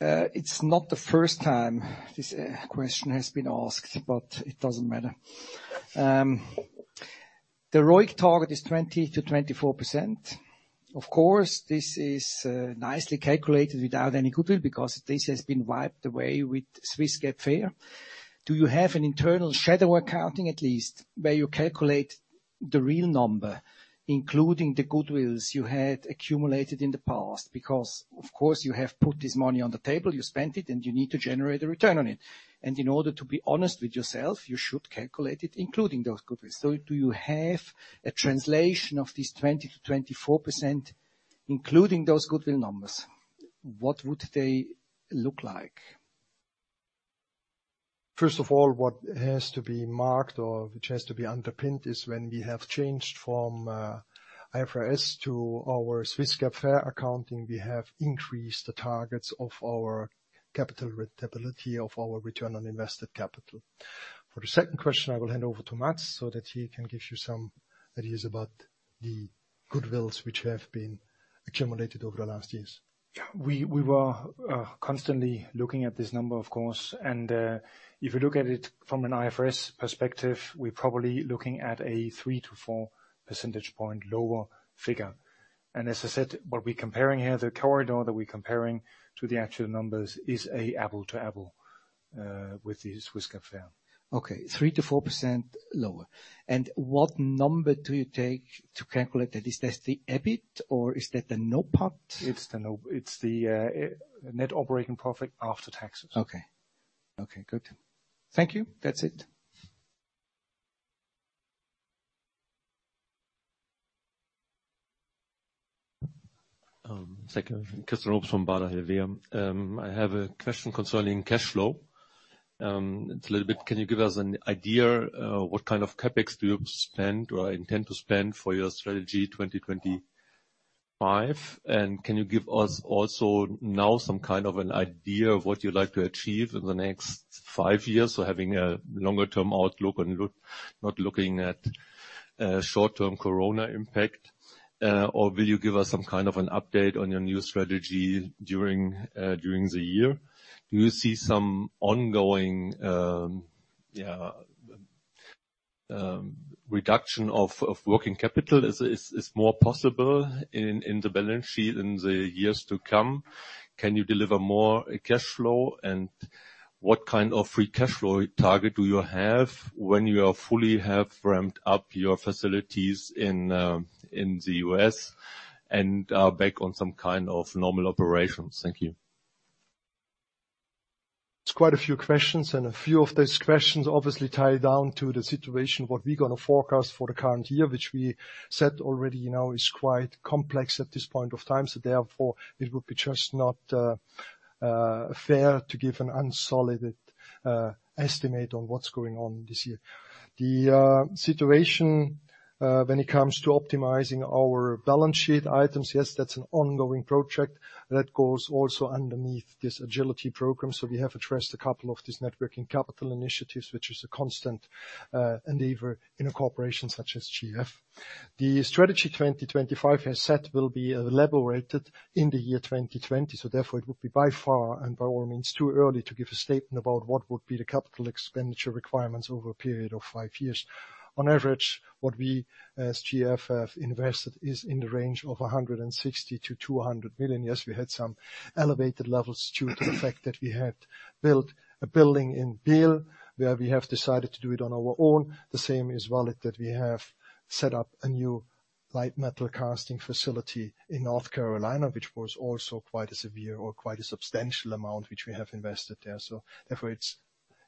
Speaker 6: It's not the first time this question has been asked, but it doesn't matter. The ROIC target is 20%-24%. Of course, this is nicely calculated without any goodwill because this has been wiped away with Swiss GAAP FER. Do you have an internal shadow accounting, at least, where you calculate the real number, including the goodwills you had accumulated in the past? Because of course you have put this money on the table, you spent it, and you need to generate a return on it. In order to be honest with yourself, you should calculate it including those goodwills. Do you have a translation of this 20%-24%, including those goodwill numbers? What would they look like?
Speaker 2: First of all, what has to be marked or which has to be underpinned is when we have changed from IFRS to our Swiss GAAP FER accounting, we have increased the targets of our capital returnability of our return on invested capital. For the second question, I will hand over to Mads so that he can give you some ideas about the goodwills which have been accumulated over the last years.
Speaker 3: We were constantly looking at this number, of course. If you look at it from an IFRS perspective, we're probably looking at a 3-4 percentage point lower figure. As I said, what we're comparing here, the corridor that we're comparing to the actual numbers is a apples to apples with the Swiss GAAP FER.
Speaker 6: Okay. 3%-4% lower. What number do you take to calculate that? Is this the EBIT or is that the NOPAT?
Speaker 3: It's the net operating profit after taxes.
Speaker 6: Okay. Good. Thank you. That's it.
Speaker 7: Thank you. Chris Obst from Baader Helvea. I have a question concerning cash flow. Can you give us an idea what kind of CapEx do you spend or intend to spend for your Strategy 2025? Can you give us also now some kind of an idea of what you'd like to achieve in the next five years? Having a longer term outlook and not looking at short-term corona impact. Will you give us some kind of an update on your new strategy during the year? Do you see some ongoing reduction of working capital is more possible in the balance sheet in the years to come? Can you deliver more cash flow? What kind of free cash flow target do you have when you are fully have ramped up your facilities in the U.S. and are back on some kind of normal operations? Thank you.
Speaker 2: It's quite a few questions, and a few of those questions obviously tie down to the situation, what we're going to forecast for the current year, which we said already now is quite complex at this point of time. Therefore it would be just not fair to give an unsolid estimate on what's going on this year. The situation when it comes to optimizing our balance sheet items, yes, that's an ongoing project and that goes also underneath this agility program. We have addressed a couple of these net working capital initiatives, which is a constant endeavor in a corporation such as GF. The Strategy 2025, as said, will be elaborated in the year 2020. Therefore it would be by far and by all means too early to give a statement about what would be the capital expenditure requirements over a period of five years. On average, what we as GF have invested is in the range of 160 million-200 million. Yes, we had some elevated levels due to the fact that we had built a building in Biel, where we have decided to do it on our own. The same is valid that we have set up a new light metal casting facility in North Carolina, which was also quite a severe or quite a substantial amount, which we have invested there. Therefore,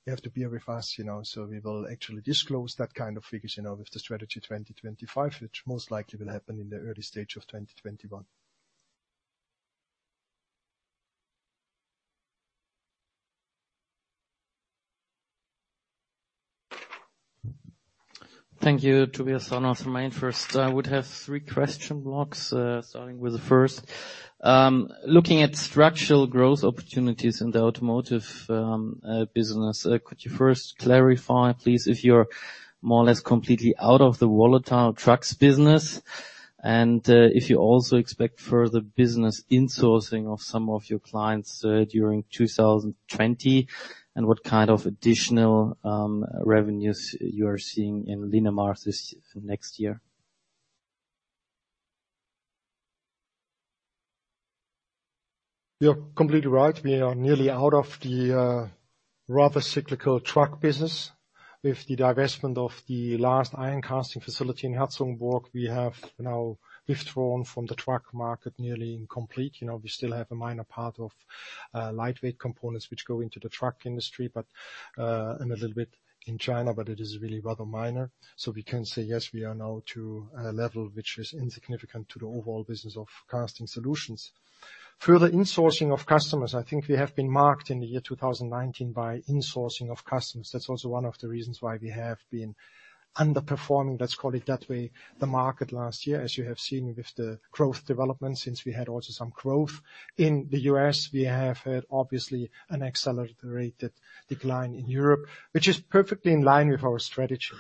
Speaker 2: you have to be very fast. We will actually disclose that kind of figures, with the Strategy 2025, which most likely will happen in the early stage of 2021.
Speaker 8: Thank you, Tobias Fahrenholz. From my end first, I would have three question blocks, starting with the first. Looking at structural growth opportunities in the automotive business, could you first clarify, please, if you're more or less completely out of the volatile trucks business and if you also expect further business insourcing of some of your clients during 2020, and what kind of additional revenues you are seeing in Linamar this next year?
Speaker 2: You're completely right. We are nearly out of the rather cyclical truck business. With the divestment of the last iron casting facility in Herzogenburg, we have now withdrawn from the truck market nearly in complete. We still have a minor part of lightweight components which go into the truck industry, and a little bit in China, but it is really rather minor. We can say yes, we are now to a level which is insignificant to the overall business of GF Casting Solutions. Further insourcing of customers, I think we have been marked in the year 2019 by insourcing of customers. That's also one of the reasons why we have been underperforming, let's call it that way, the market last year, as you have seen with the growth development since we had also some growth in the U.S. We have had obviously an accelerated decline in Europe, which is perfectly in line with our strategy.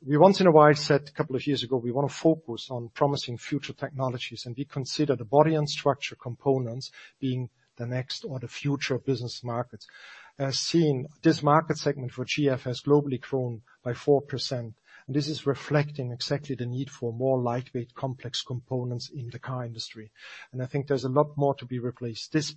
Speaker 2: We once in a while said a couple of years ago, we want to focus on promising future technologies, we consider the body and structural components being the next or the future business markets. As seen, this market segment for GF has globally grown by 4%, this is reflecting exactly the need for more lightweight complex components in the car industry. I think there's a lot more to be replaced. This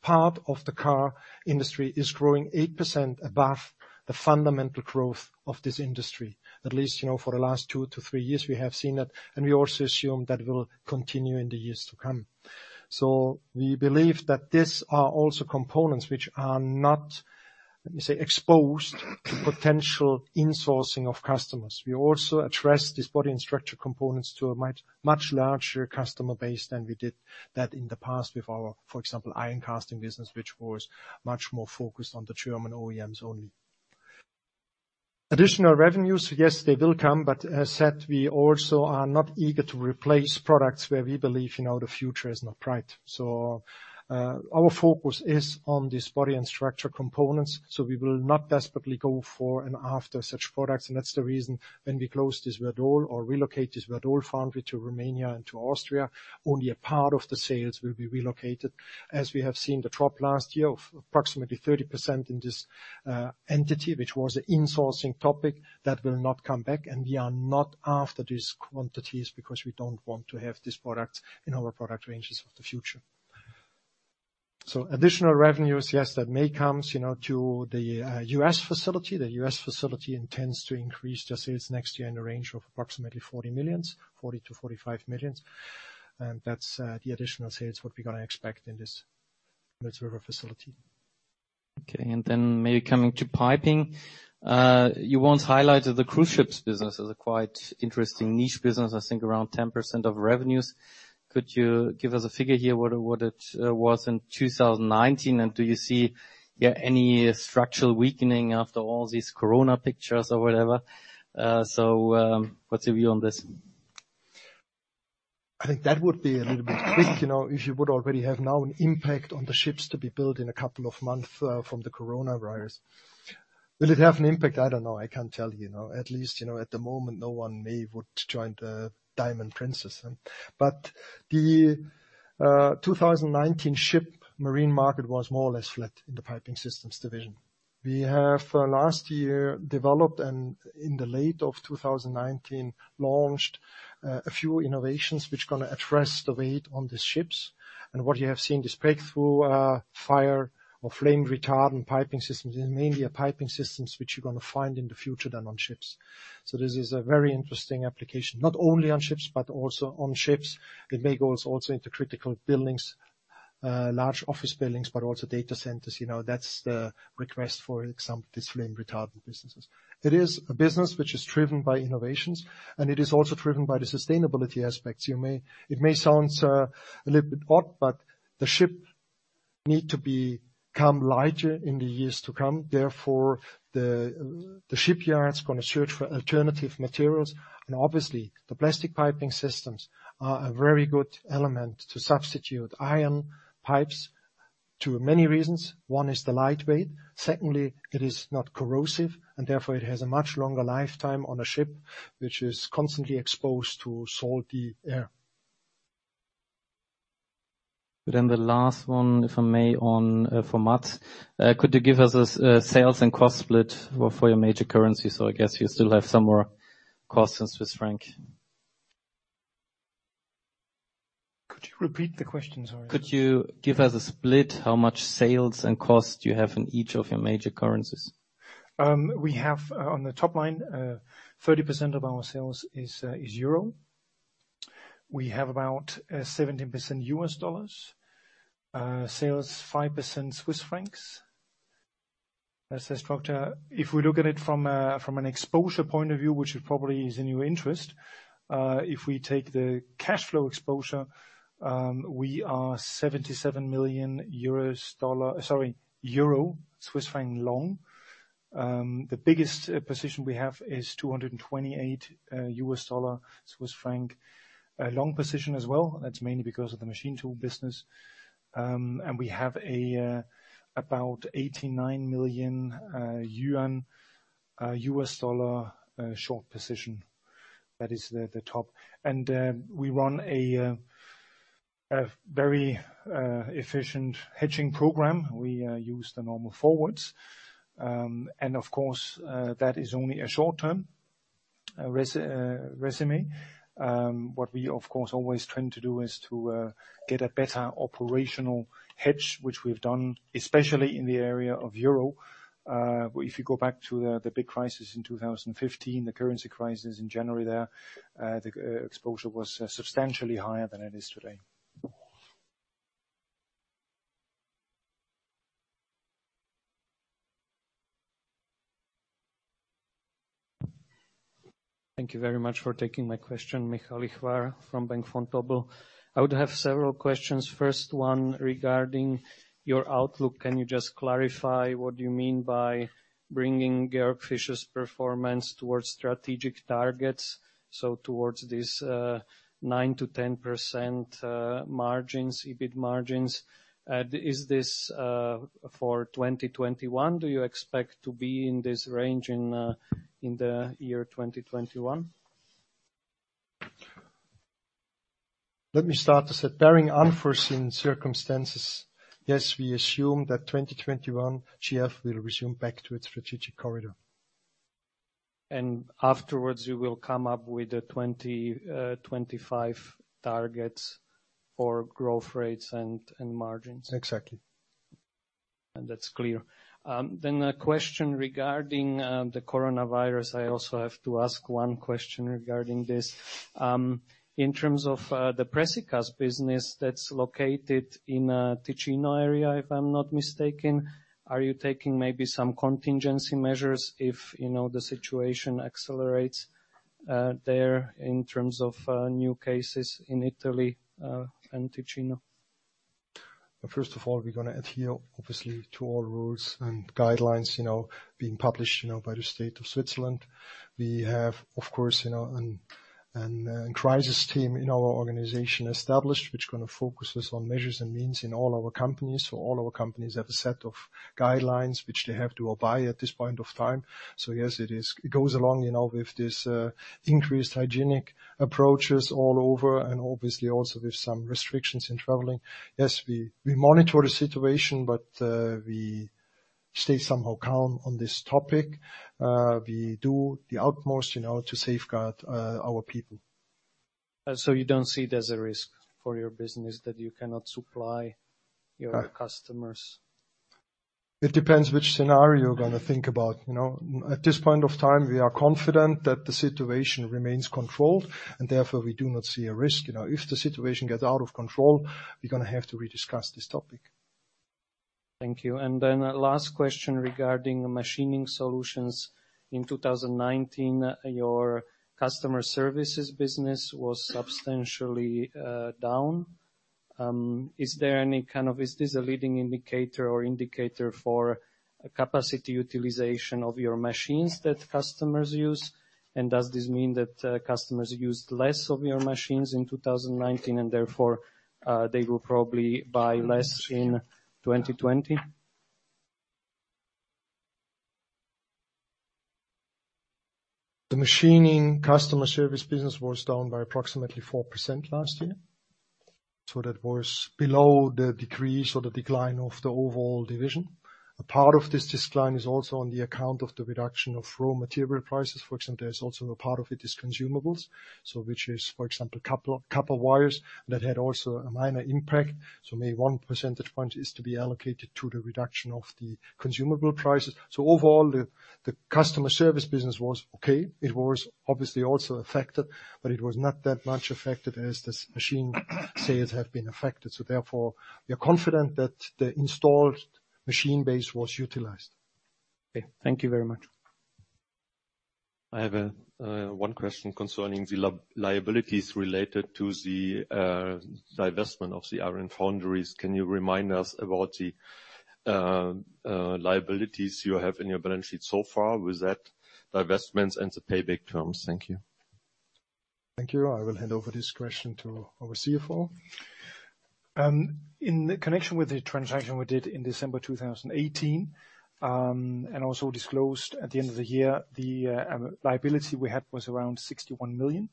Speaker 2: part of the car industry is growing 8% above the fundamental growth of this industry. At least, for the last two to three years, we have seen that, we also assume that will continue in the years to come. We believe that these are also components which are not, let me say, exposed to potential insourcing of customers. We also address these body and structural components to a much larger customer base than we did that in the past with our, for example, iron casting business, which was much more focused on the German OEMs only. Additional revenues, yes, they will come, but as said, we also are not eager to replace products where we believe the future is not bright. Our focus is on these body and structural components, so we will not desperately go for and after such products, and that's the reason when we close this Werdohl or relocate this Werdohl foundry to Romania and to Austria, only a part of the sales will be relocated. As we have seen the drop last year of approximately 30% in this entity, which was an insourcing topic, that will not come back and we are not after these quantities because we don't want to have these products in our product ranges of the future. Additional revenues, yes, that may come to the U.S. facility. The U.S. facility intends to increase their sales next year in the range of approximately 40 million, 40 million-45 million. That's the additional sales what we're going to expect in this Mills River facility.
Speaker 8: Okay, maybe coming to piping. You once highlighted the cruise ships business as a quite interesting niche business, I think around 10% of revenues. Could you give us a figure here what it was in 2019, and do you see any structural weakening after all these Corona pictures or whatever? What's your view on this?
Speaker 2: I think that would be a little bit quick, if you would already have now an impact on the ships to be built in a couple of months from the coronavirus. Will it have an impact? I don't know. I can't tell you. At least, at the moment, no one would join the Diamond Princess. The 2019 ship marine market was more or less flat in the piping systems division. We have last year developed and in the late of 2019 launched a few innovations which are going to address the weight on the ships. What you have seen, this breakthrough fire or flame retardant piping systems, is mainly a piping systems which you're going to find in the future then on ships. This is a very interesting application, not only on ships, but also on ships. It may go also into critical buildings. Large office buildings, but also data centers. That's the request for some of these flame retardant businesses. It is a business which is driven by innovations. It is also driven by the sustainability aspects. It may sound a little bit odd. The ship need to become lighter in the years to come. Therefore, the shipyard is going to search for alternative materials. Obviously the plastic piping systems are a very good element to substitute iron pipes to many reasons. One is the light weight. Secondly, it is not corrosive. Therefore it has a much longer lifetime on a ship, which is constantly exposed to salty air.
Speaker 8: The last one, if I may, for Mads. Could you give us a sales and cost split for your major currencies? I guess you still have some more costs in CHF.
Speaker 3: Could you repeat the question? Sorry.
Speaker 8: Could you give us a split how much sales and cost you have in each of your major currencies?
Speaker 3: We have on the top line, 30% of our sales is euro. We have about 17% U.S. dollars, sales 5% Swiss francs. If we look at it from an exposure point of view, which probably is in your interest. If we take the cash flow exposure, we are EUR 77 million, CHF long. The biggest position we have is $228, CHF long position as well. That's mainly because of the machine tool business. We have about 89 million yuan, USD short position. That is the top. We run a very efficient hedging program. We use the normal forwards. Of course, that is only a short term regime. What we of course always tend to do is to get a better operational hedge, which we've done, especially in the area of euro. If you go back to the big crisis in 2015, the currency crisis in January there, the exposure was substantially higher than it is today.
Speaker 9: Thank you very much for taking my question, Michal Lichvar from Bank Vontobel. I would have several questions. First one, regarding your outlook, can you just clarify what you mean by bringing Georg Fischer's performance towards strategic targets? Towards this 9%-10% EBIT margins. Is this for 2021? Do you expect to be in this range in the year 2021?
Speaker 2: Let me start to say, barring unforeseen circumstances, yes, we assume that 2021, GF will resume back to its strategic corridor.
Speaker 9: Afterwards you will come up with the 2025 targets for growth rates and margins?
Speaker 2: Exactly.
Speaker 9: That's clear. A question regarding the coronavirus. I also have to ask one question regarding this. In terms of the Precicast business that's located in Ticino area, if I'm not mistaken, are you taking maybe some contingency measures if the situation accelerates there in terms of new cases in Italy and Ticino?
Speaker 2: First of all, we're going to adhere, obviously, to all rules and guidelines being published by the state of Switzerland. We have, of course, a crisis team in our organization established, which going to focus us on measures and means in all our companies. All our companies have a set of guidelines which they have to obey at this point of time. Yes, it goes along with this increased hygienic approaches all over, and obviously also with some restrictions in traveling. Yes, we monitor the situation, but we stay somehow calm on this topic. We do the utmost in order to safeguard our people.
Speaker 9: You don't see it as a risk for your business that you cannot supply your customers?
Speaker 2: It depends which scenario you're going to think about. At this point of time, we are confident that the situation remains controlled, and therefore we do not see a risk. If the situation gets out of control, we're going to have to re-discuss this topic.
Speaker 9: Thank you. Last question regarding GF Machining Solutions. In 2019, your customer services business was substantially down. Is this a leading indicator or indicator for capacity utilization of your machines that customers use? Does this mean that customers used less of your machines in 2019 and therefore, they will probably buy less in 2020?
Speaker 2: The machining customer service business was down by approximately 4% last year. That was below the decrease or the decline of the overall division. A part of this decline is also on the account of the reduction of raw material prices. For example, there's also a part of it is consumables. Which is, for example, copper wires, that had also a minor impact. Maybe one percentage point is to be allocated to the reduction of the consumable prices. Overall, the customer service business was okay. It was obviously also affected, but it was not that much affected as this machine sales have been affected. Therefore, we are confident that the installed machine base was utilized.
Speaker 9: Okay. Thank you very much. I have one question concerning the liabilities related to the divestment of the iron foundries. Can you remind us about the liabilities you have in your balance sheet so far with that divestment and the payback terms? Thank you.
Speaker 2: Thank you. I will hand over this question to our CFO.
Speaker 3: In connection with the transaction we did in December 2018, and also disclosed at the end of the year, the liability we had was around 61 million.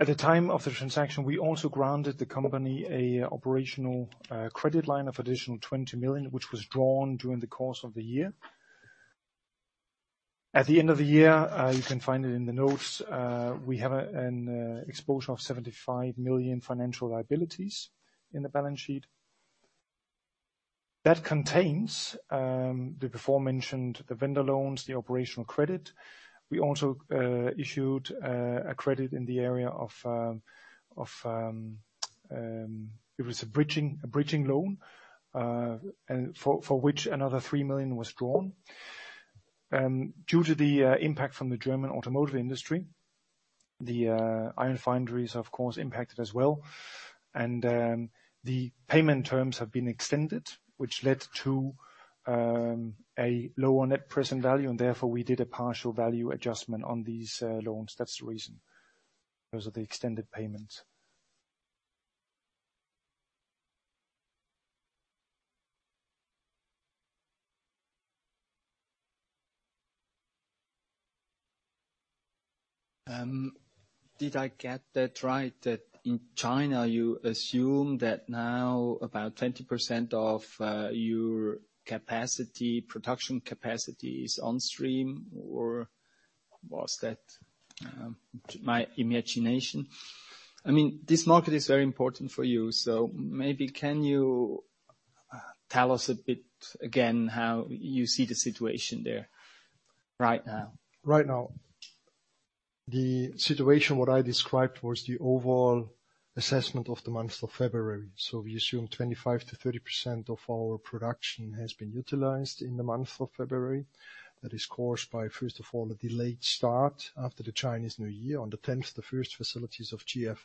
Speaker 3: At the time of the transaction, we also granted the company a operational credit line of additional 20 million, which was drawn during the course of the year. At the end of the year, you can find it in the notes, we have an exposure of 75 million financial liabilities in the balance sheet. That contains the before mentioned, the vendor loans, the operational credit. We also issued a credit. It was a bridging loan, for which another three million was drawn. Due to the impact from the German automotive industry, the Iron Foundries, of course, impacted as well. The payment terms have been extended, which led to a lower net present value, and therefore, we did a partial value adjustment on these loans. That's the reason. Those are the extended payments.
Speaker 10: Did I get that right that in China you assume that now about 20% of your production capacity is on stream, or was that my imagination? This market is very important for you. Maybe can you tell us a bit, again, how you see the situation there right now?
Speaker 2: Right now. The situation, what I described, was the overall assessment of the month of February. We assume 25%-30% of our production has been utilized in the month of February. That is caused by, first of all, a delayed start after the Chinese New Year. On the 10th, the first facilities of GF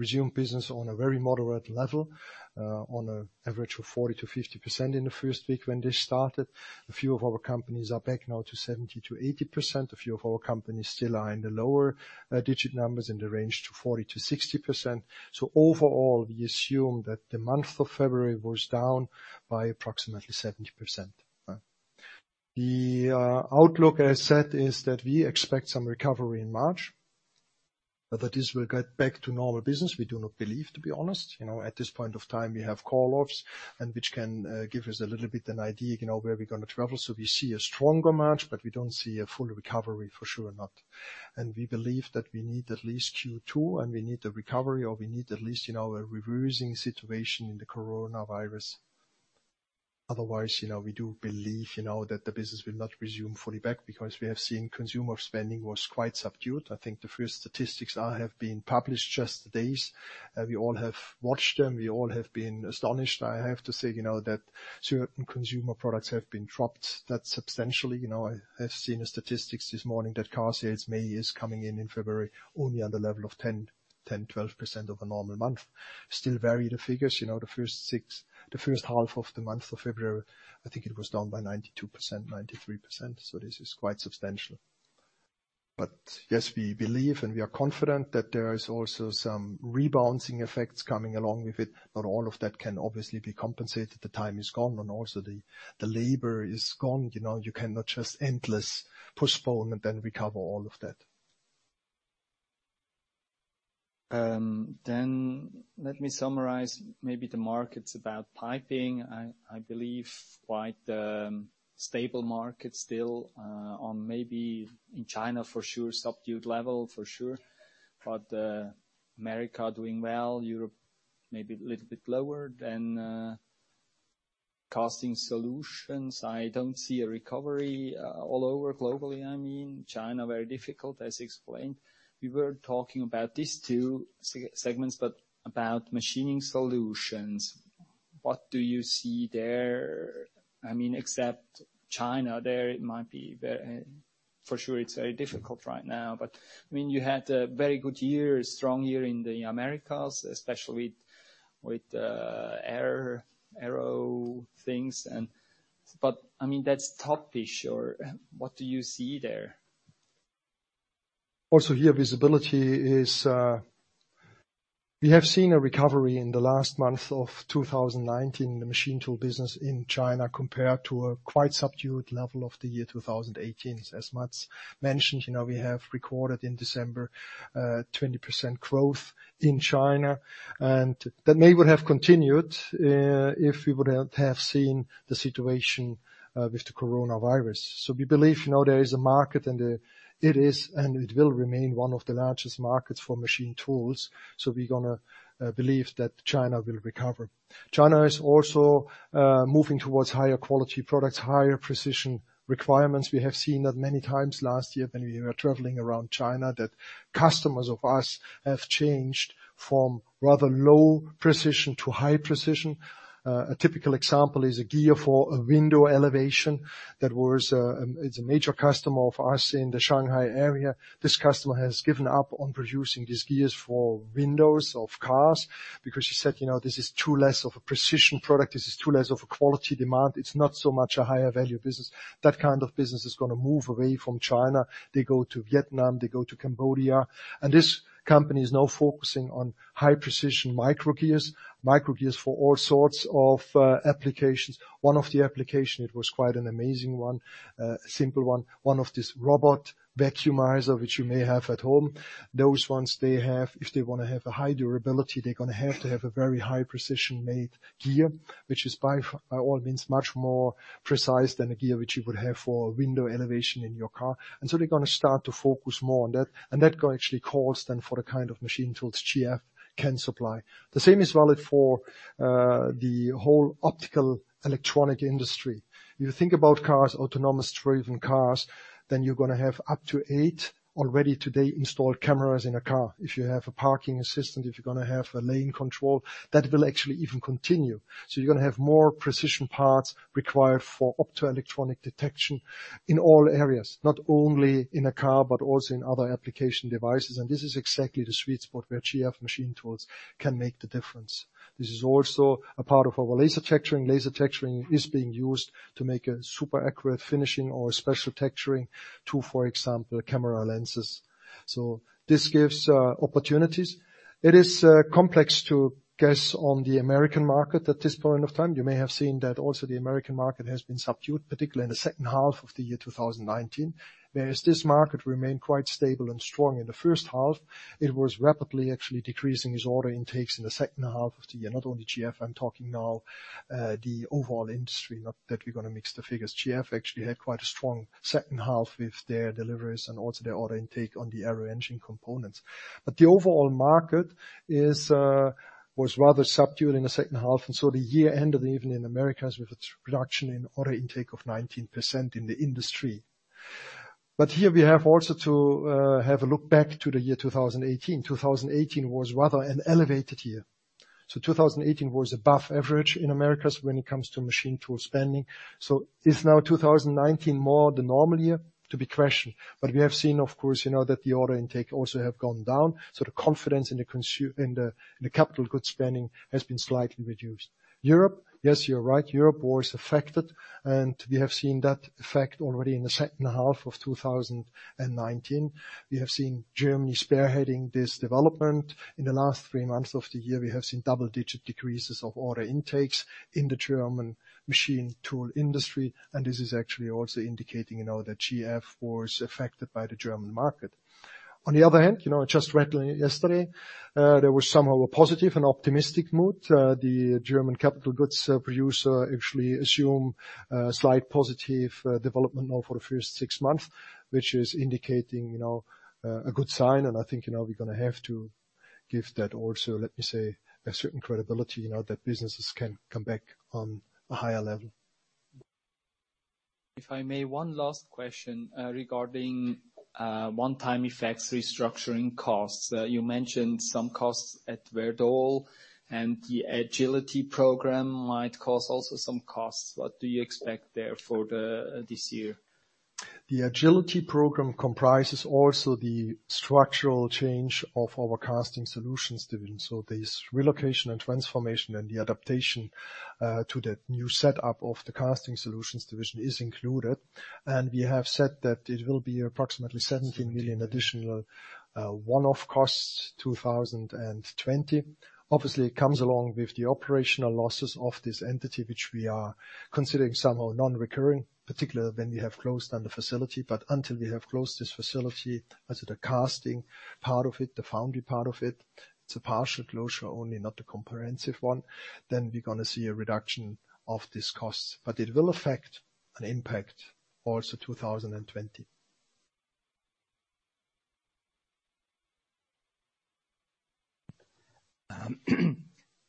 Speaker 2: resumed business on a very moderate level, on an average of 40%-50% in the first week when they started. A few of our companies are back now to 70%-80%. A few of our companies still are in the lower digit numbers in the range to 40%-60%. Overall, we assume that the month of February was down by approximately 70%. The outlook, as I said, is that we expect some recovery in March. That this will get back to normal business, we do not believe, to be honest. At this point of time, we have call-offs, and which can give us a little bit an idea where we're going to travel. We see a stronger March, but we don't see a full recovery, for sure not. We believe that we need at least Q2, and we need a recovery, or we need at least a reversing situation in the coronavirus. Otherwise, we do believe that the business will not resume fully back because we have seen consumer spending was quite subdued. I think the first statistics have been published just today, and we all have watched them. We all have been astonished. I have to say that certain consumer products have been dropped that substantially. I have seen statistics this morning that car sales May is coming in in February only on the level of 10%, 12% of a normal month. Still varied figures. The first half of the month of February, I think it was down by 92%, 93%. This is quite substantial. Yes, we believe, and we are confident that there is also some rebouncing effects coming along with it. Not all of that can obviously be compensated. The time is gone and also the labor is gone. You cannot just endlessly postpone and then recover all of that.
Speaker 10: Let me summarize maybe the markets about piping. I believe quite stable markets still, on maybe in China, for sure, subdued level, for sure. The Americas doing well, Europe maybe a little bit lower than GF Casting Solutions. I don't see a recovery all over globally. China, very difficult, as explained. We were talking about these two segments, but about GF Machining Solutions, what do you see there? Except China, there it might be, for sure it's very difficult right now. You had a very good year, a strong year in the Americas, especially with aero things. That's top issue. What do you see there?
Speaker 2: Also here, visibility is, we have seen a recovery in the last month of 2019 in the machine tool business in China, compared to a quite subdued level of the year 2018. As Mads mentioned, we have recorded in December a 20% growth in China, That may would have continued if we would have seen the situation with the coronavirus. We believe now there is a market, and it is and it will remain one of the largest markets for machine tools. We're going to believe that China will recover. China is also moving towards higher quality products, higher precision requirements. We have seen that many times last year when we were traveling around China, that customers of ours have changed from rather low precision to high precision. A typical example is a gear for a window elevation that was It's a major customer of ours in the Shanghai area. This customer has given up on producing these gears for windows of cars because he said, "This is too less of a precision product. This is too less of a quality demand. It's not so much a higher value business." That kind of business is going to move away from China. They go to Vietnam, they go to Cambodia. This company is now focusing on high precision micro gears. Micro gears for all sorts of applications. One of the application, it was quite an amazing one, a simple one. One of these robot vacuum cleaner, which you may have at home. Those ones, if they want to have a high durability, they're going to have to have a very high precision made gear, which is, by all means, much more precise than a gear which you would have for a window elevation in your car. They're going to start to focus more on that. That actually calls then for the kind of machine tools GF can supply. The same is valid for the whole optical electronic industry. You think about cars, autonomous driven cars. You're going to have up to eight already today installed cameras in a car. If you have a parking assistant, if you're going to have a lane control, that will actually even continue. You're going to have more precision parts required for optoelectronic detection in all areas. Not only in a car, but also in other application devices. This is exactly the sweet spot where GF Machining Solutions can make the difference. This is also a part of our laser texturing. Laser texturing is being used to make a super accurate finishing or a special texturing to, for example, camera lenses. This gives opportunities. It is complex to guess on the American market at this point of time. You may have seen that also the American market has been subdued, particularly in the second half of the year 2019. Whereas this market remained quite stable and strong in the first half, it was rapidly actually decreasing its order intakes in the second half of the year. Not only GF, I'm talking now the overall industry, not that we're going to mix the figures. GF actually had quite a strong second half with their deliveries and also their order intake on the aero-engine components. The overall market was rather subdued in the second half, and so the year ended even in Americas with its reduction in order intake of 19% in the industry. Here we have also to have a look back to the year 2018, 2018 was rather an elevated year. 2018 was above average in Americas when it comes to machine tool spending. Is now 2019 more the normal year? To be questioned. We have seen, of course, that the order intake also have gone down. The confidence in the capital goods spending has been slightly reduced. Europe, yes, you're right. Europe was affected, and we have seen that effect already in the second half of 2019. We have seen Germany spearheading this development. In the last three months of the year, we have seen double-digit decreases of order intakes in the German machine tool industry, and this is actually also indicating that GF was affected by the German market. On the other hand, I just read yesterday, there was somehow a positive and optimistic mood. The German capital goods producer actually assume a slight positive development now for the first six months, which is indicating a good sign, and I think we're going to have to give that also, let me say, a certain credibility, that businesses can come back on a higher level.
Speaker 10: If I may, one last question regarding one-time effects, restructuring costs. You mentioned some costs at Werdohl, and the Agility program might cause also some costs. What do you expect there for this year?
Speaker 2: The Agility program comprises also the structural change of our Casting Solutions division. This relocation and transformation and the adaptation to the new setup of the Casting Solutions division is included. We have said that it will be approximately 70 million additional one-off costs, 2020. Obviously, it comes along with the operational losses of this entity, which we are considering somehow non-recurring, particularly when we have closed down the facility. Until we have closed this facility, as the casting part of it, the foundry part of it's a partial closure only, not a comprehensive one, then we're going to see a reduction of these costs. It will affect an impact also 2020.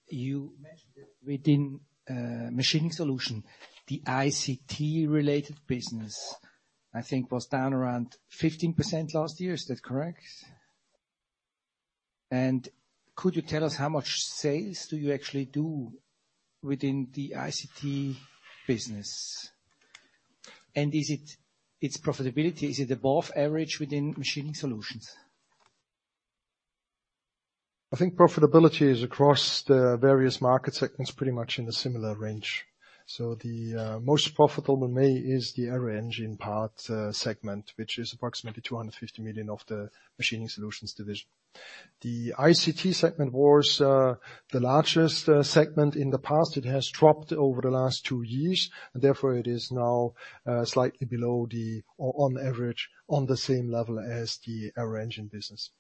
Speaker 11: You mentioned that within GF Machining Solutions, the ICT-related business, I think was down around 15% last year. Is that correct? Could you tell us how much sales do you actually do within the ICT business? Its profitability, is it above average within GF Machining Solutions?
Speaker 2: I think profitability is across the various market segments, pretty much in a similar range. The most profitable may is the aero-engine part segment, which is approximately 250 million of the Machining Solutions division. The ICT segment was the largest segment in the past. It has dropped over the last two years, and therefore it is now slightly below the, or on average, on the same level as the aero-engine business.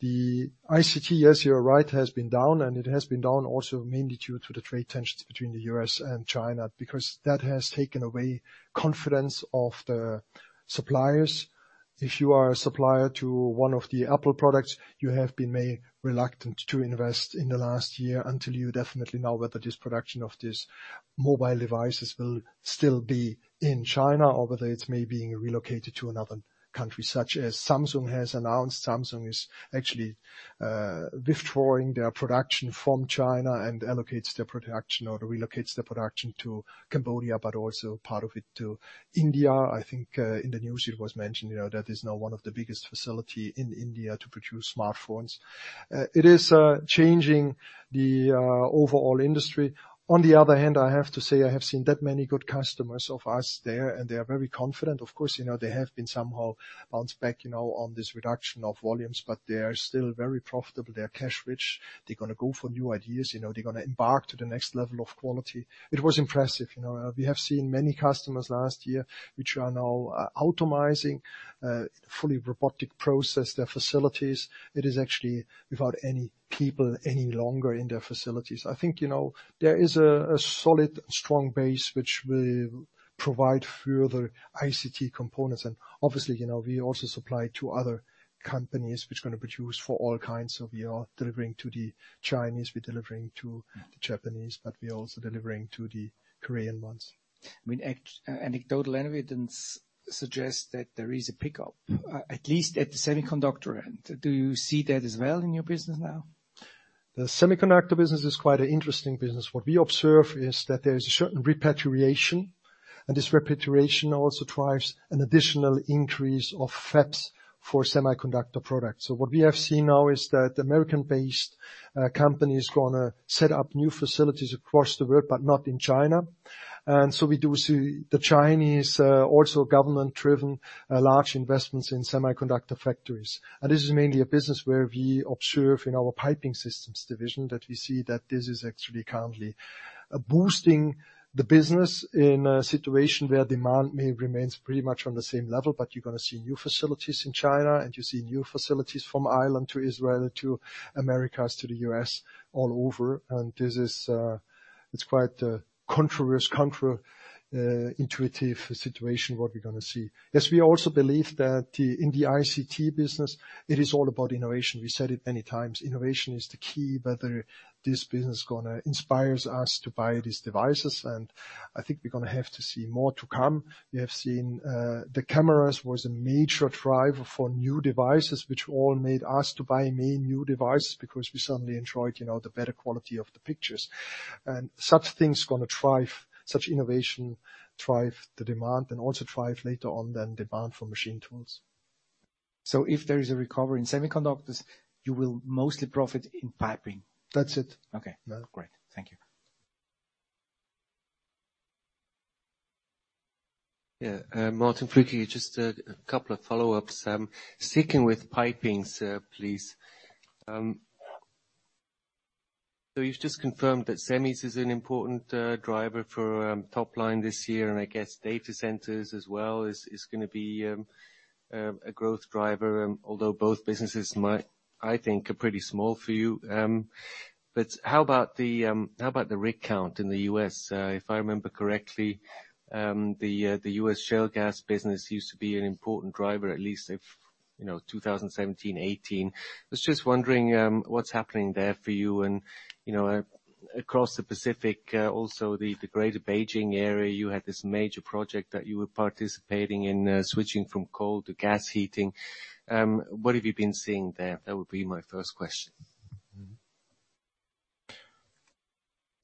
Speaker 2: The ICT, yes, you're right, has been down, and it has been down also mainly due to the trade tensions between the U.S. and China, because that has taken away confidence of the suppliers. If you are a supplier to one of the Apple products, you have been may reluctant to invest in the last year until you definitely know whether this production of these mobile devices will still be in China or whether it's may being relocated to another country, such as Samsung has announced. Samsung is actually withdrawing their production from China and allocates their production or relocates their production to Cambodia, but also part of it to India. I think, in the news it was mentioned, that is now one of the biggest facility in India to produce smartphones. It is changing the overall industry. On the other hand, I have to say, I have seen that many good customers of us there, and they are very confident. Of course, they have been somehow bounced back, on this reduction of volumes, but they are still very profitable. They are cash-rich. They're going to go for new ideas. They're going to embark to the next level of quality. It was impressive. We have seen many customers last year, which are now automating, fully robotic process their facilities. It is actually without any people any longer in their facilities. I think there is a solid, strong base which will provide further ICT components. Obviously, we also supply to other companies, which are going to produce for all kinds. We are delivering to the Chinese, we're delivering to the Japanese, we're also delivering to the Korean ones.
Speaker 11: I mean, anecdotal evidence suggests that there is a pickup, at least at the semiconductor end. Do you see that as well in your business now?
Speaker 2: The semiconductor business is quite an interesting business. What we have seen now is that there is a certain repatriation, and this repatriation also drives an additional increase of fabs for semiconductor products. What we have seen now is that the American-based companies going to set up new facilities across the world, but not in China. We do see the Chinese, also government-driven, large investments in semiconductor factories. This is mainly a business where we observe in our Piping Systems division that we see that this is actually currently boosting the business in a situation where demand may remains pretty much on the same level, but you're going to see new facilities in China, and you see new facilities from Ireland to Israel to Americas to the U.S. all over. This is, it's quite a controversial, counterintuitive situation, what we're going to see. Yes, we also believe that in the ICT business, it is all about innovation. We said it many times, innovation is the key, whether this business going to inspires us to buy these devices. I think we're going to have to see more to come. We have seen the cameras was a major driver for new devices, which all made us to buy many new devices because we suddenly enjoyed the better quality of the pictures. Such things going to drive such innovation, drive the demand, and also drive later on then demand for machine tools.
Speaker 11: If there is a recovery in semiconductors, you will mostly profit in piping.
Speaker 2: That's it.
Speaker 11: Okay.
Speaker 2: Yeah.
Speaker 11: Great. Thank you.
Speaker 4: Yeah. Martin Flückiger, just a couple of follow-ups. Sticking with pipings, please. You've just confirmed that semis is an important driver for top line this year, and I guess data centers as well is going to be a growth driver, although both businesses, I think are pretty small for you. How about the rig count in the U.S.? If I remember correctly, the U.S. shale gas business used to be an important driver, at least 2017, 2018. I was just wondering what's happening there for you and across the Pacific, also the greater Beijing area, you had this major project that you were participating in, switching from coal to gas heating. What have you been seeing there? That would be my first question.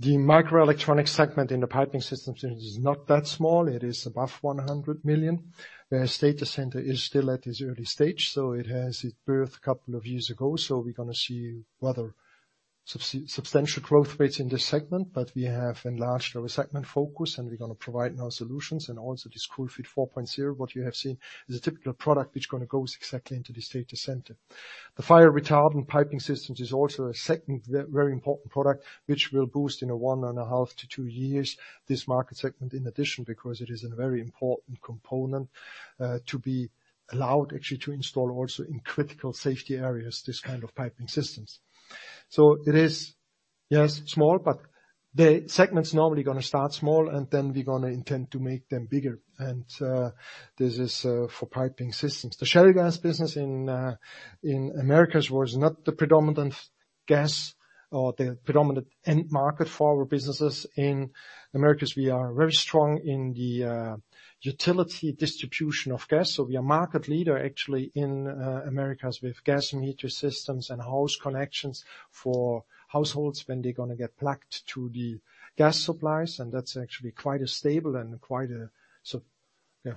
Speaker 2: The microelectronic segment in the piping system series is not that small. It is above 100 million. Data center is still at its early stage. It has its birth a couple of years ago. We're going to see rather substantial growth rates in this segment, but we have enlarged our segment focus, and we're going to provide now solutions and also this COOL-FIT 4.0, what you have seen is a typical product which going to go exactly into this data center. The fire retardant piping systems is also a segment, very important product, which will boost in a one and a half to two years this market segment in addition, because it is a very important component to be allowed actually to install also in critical safety areas, this kind of piping systems. It is, yes, small, but the segment's normally going to start small, and then we're going to intend to make them bigger. This is for Piping Systems. The shale gas business in America was not the predominant gas or the predominant end market for our businesses in Americas. We are very strong in the utility distribution of gas. We are market leader actually in Americas with gas meter systems and house connections for households when they're going to get plugged to the gas supplies, and that's actually quite a stable and quite a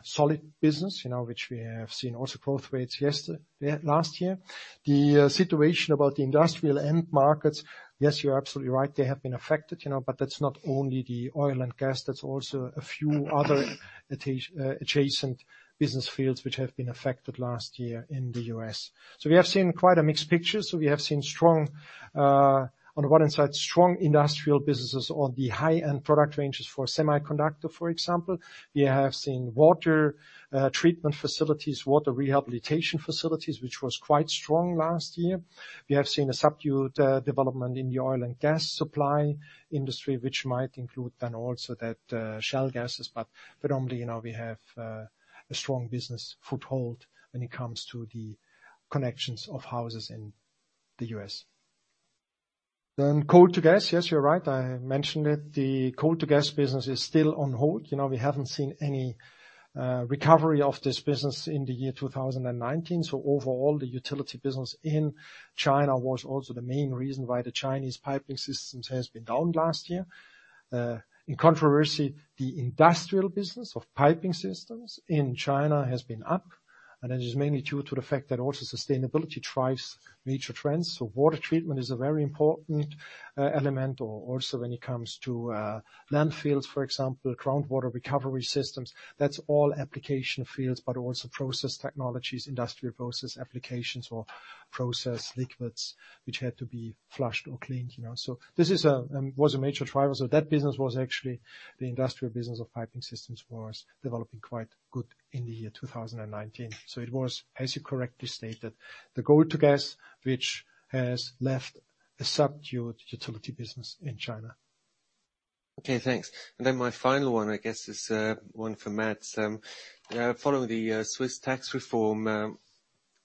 Speaker 2: solid business, which we have seen also growth rates last year. The situation about the industrial end markets, yes, you're absolutely right. They have been affected, that's not only the oil and gas, that's also a few other adjacent business fields which have been affected last year in the U.S. We have seen quite a mixed picture. We have seen, on the one hand side, strong industrial businesses on the high-end product ranges for semiconductor, for example. We have seen water treatment facilities, water rehabilitation facilities, which was quite strong last year. We have seen a subdued development in the oil and gas supply industry, which might include then also that shale gases. Predominantly, we have a strong business foothold when it comes to the connections of houses in the U.S., coal to gas. Yes, you're right, I mentioned it. The coal to gas business is still on hold. We haven't seen any recovery of this business in the year 2019. Overall, the utility business in China was also the main reason why the Chinese piping systems has been down last year. In controversy, the industrial business of piping systems in China has been up, and that is mainly due to the fact that also sustainability drives major trends. Water treatment is a very important element, or also when it comes to landfills, for example, groundwater recovery systems. That's all application fields, but also process technologies, industrial process applications, or process liquids which had to be flushed or cleaned. This was a major driver. That business was actually the industrial business of piping systems for us, developing quite good in the year 2019. It was, as you correctly stated, the coal to gas, which has left a subdued utility business in China.
Speaker 4: Okay, thanks. My final one, I guess, is one for Mads. Following the Swiss tax reform,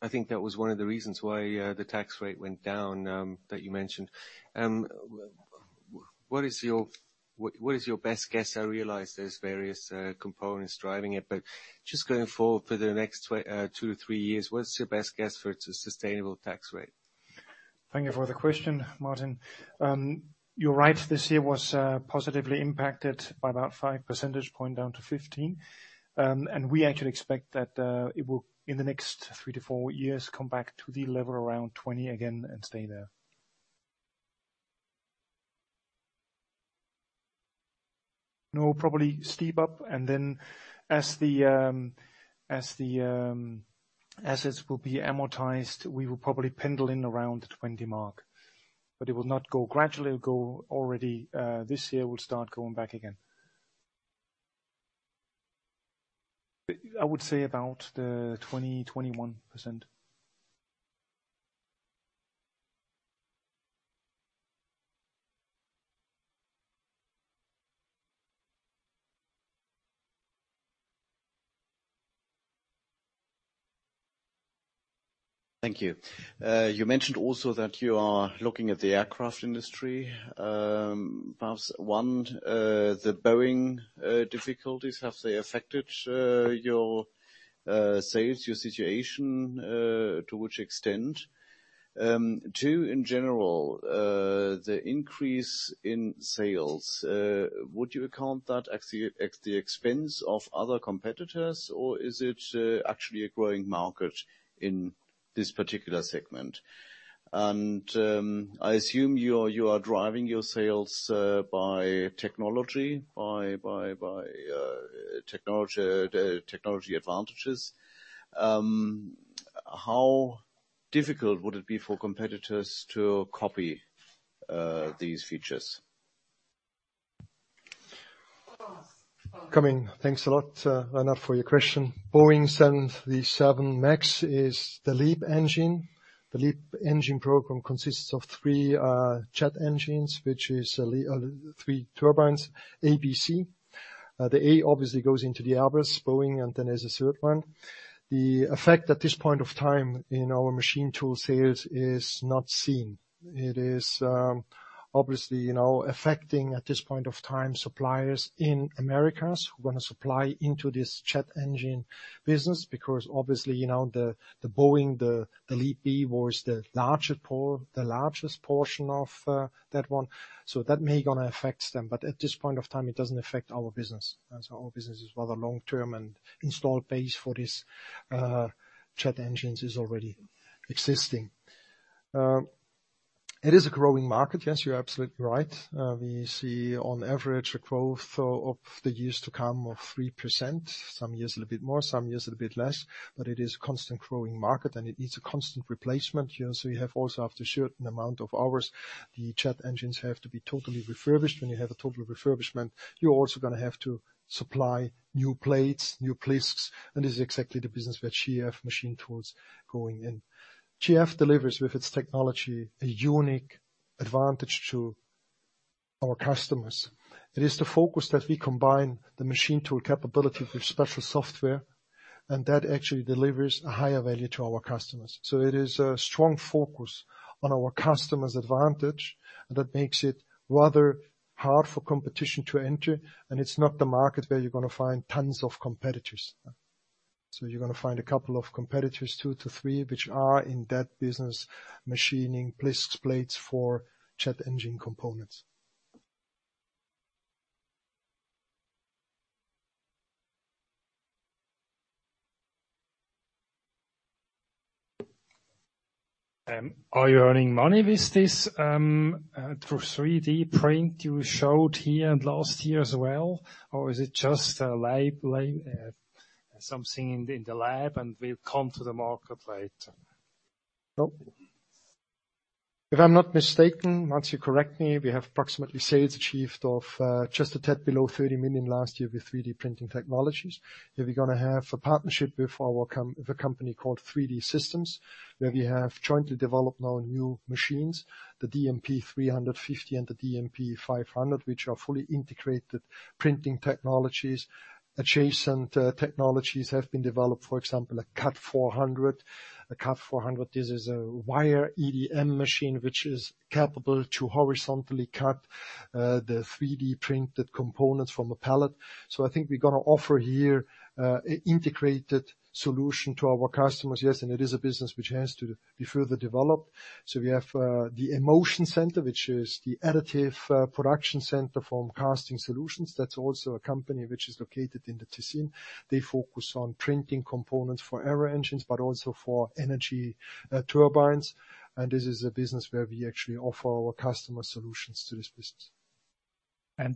Speaker 4: I think that was one of the reasons why the tax rate went down, that you mentioned. What is your best guess? I realize there's various components driving it, but just going forward for the next two to three years, what's your best guess for its sustainable tax rate?
Speaker 3: Thank you for the question, Martin. You're right. This year was positively impacted by about 5 percentage point down to 15. We actually expect that it will, in the next three to four years, come back to the level around 20 again and stay there. No, probably steep up and then as the assets will be amortized, we will probably pendulate in around the 20 mark. It will not go gradually. Already this year, we'll start going back again. I would say about the 20%, 21%.
Speaker 12: Thank you. You mentioned also that you are looking at the aircraft industry. Perhaps one, the Boeing difficulties, have they affected your sales, your situation? To which extent? Two, in general, the increase in sales, would you account that at the expense of other competitors, or is it actually a growing market in this particular segment? I assume you are driving your sales by technology advantages. How difficult would it be for competitors to copy these features?
Speaker 2: Thanks a lot, Arnold, for your question. Boeing's 737 MAX is the LEAP engine. The LEAP engine program consists of three jet engines, which is three turbines, A, B, C. Then there's a third one. The A obviously goes into the Airbus, Boeing. The effect at this point of time in our machine tool sales is not seen. It is obviously affecting, at this point of time, suppliers in Americas who want to supply into this jet engine business because obviously, the Boeing, the LEAP-1B was the largest portion of that one. That may going to affect them, at this point of time, it doesn't affect our business. Our business is rather long-term, and install base for this jet engines is already existing. It is a growing market, yes, you're absolutely right. We see on average a growth of the years to come of 3%, some years a little bit more, some years a little bit less. It is a constant growing market, it needs a constant replacement. You have also, after a certain amount of hours, the jet engines have to be totally refurbished. When you have a total refurbishment, you're also going to have to supply new plates, new discs. This is exactly the business where GF machine tools going in. GF delivers, with its technology, a unique advantage to our customers. It is the focus that we combine the machine tool capability with special software, that actually delivers a higher value to our customers. It is a strong focus on our customer's advantage that makes it rather hard for competition to enter, and it's not the market where you're going to find tons of competitors. You're going to find a couple of competitors, two to three, which are in that business, machining BLISK plates for jet engine components.
Speaker 13: Are you earning money with this through 3D print you showed here and last year as well? Is it just something in the lab and will come to the market later?
Speaker 2: If I'm not mistaken, once you correct me, we have approximately sales achieved of just a tad below 30 million last year with 3D printing technologies, where we're going to have a partnership with a company called 3D Systems, where we have jointly developed now new machines, the DMP 350 and the DMP 500, which are fully integrated printing technologies. Adjacent technologies have been developed, for example, a CUT 400. A CUT 400, this is a wire EDM machine, which is capable to horizontally cut the 3D-printed components from a pallet. I think we're going to offer here an integrated solution to our customers. It is a business which has to be further developed. We have the AMotion Center, which is the additive production center from Casting Solutions. That's also a company which is located in the Ticino. They focus on printing components for aero engines, but also for energy turbines. This is a business where we actually offer our customer solutions to this business.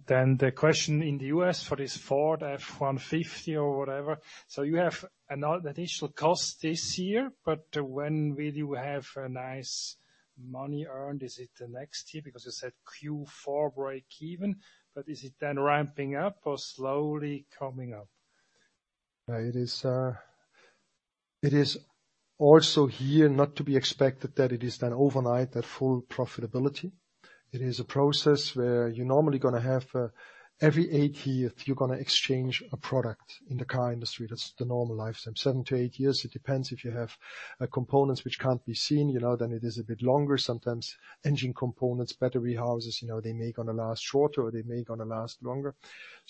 Speaker 13: Then the question in the U.S. for this Ford F-150 or whatever. You have an additional cost this year, but when will you have a nice money earned? Is it the next year? You said Q4 breakeven, but is it then ramping up or slowly coming up?
Speaker 2: It is also here not to be expected that it is then overnight, that full profitability. It is a process where you're normally going to have, every eight years, you're going to exchange a product in the car industry. That's the normal lifespan. Seven to eight years, it depends if you have components which can't be seen, then it is a bit longer. Sometimes engine components, battery houses, they may going to last shorter or they may going to last longer.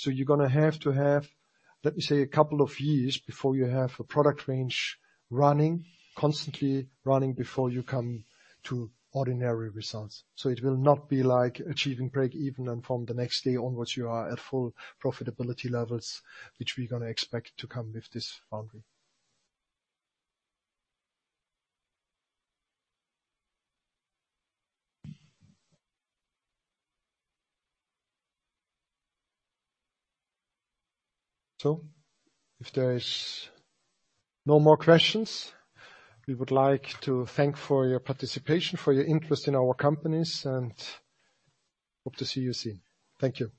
Speaker 2: You're going to have to have, let me say, a couple of years before you have a product range constantly running before you come to ordinary results. It will not be like achieving breakeven and from the next day onwards, you are at full profitability levels, which we're going to expect to come with this foundry. If there is no more questions, we would like to thank for your participation, for your interest in our companies, and hope to see you soon. Thank you.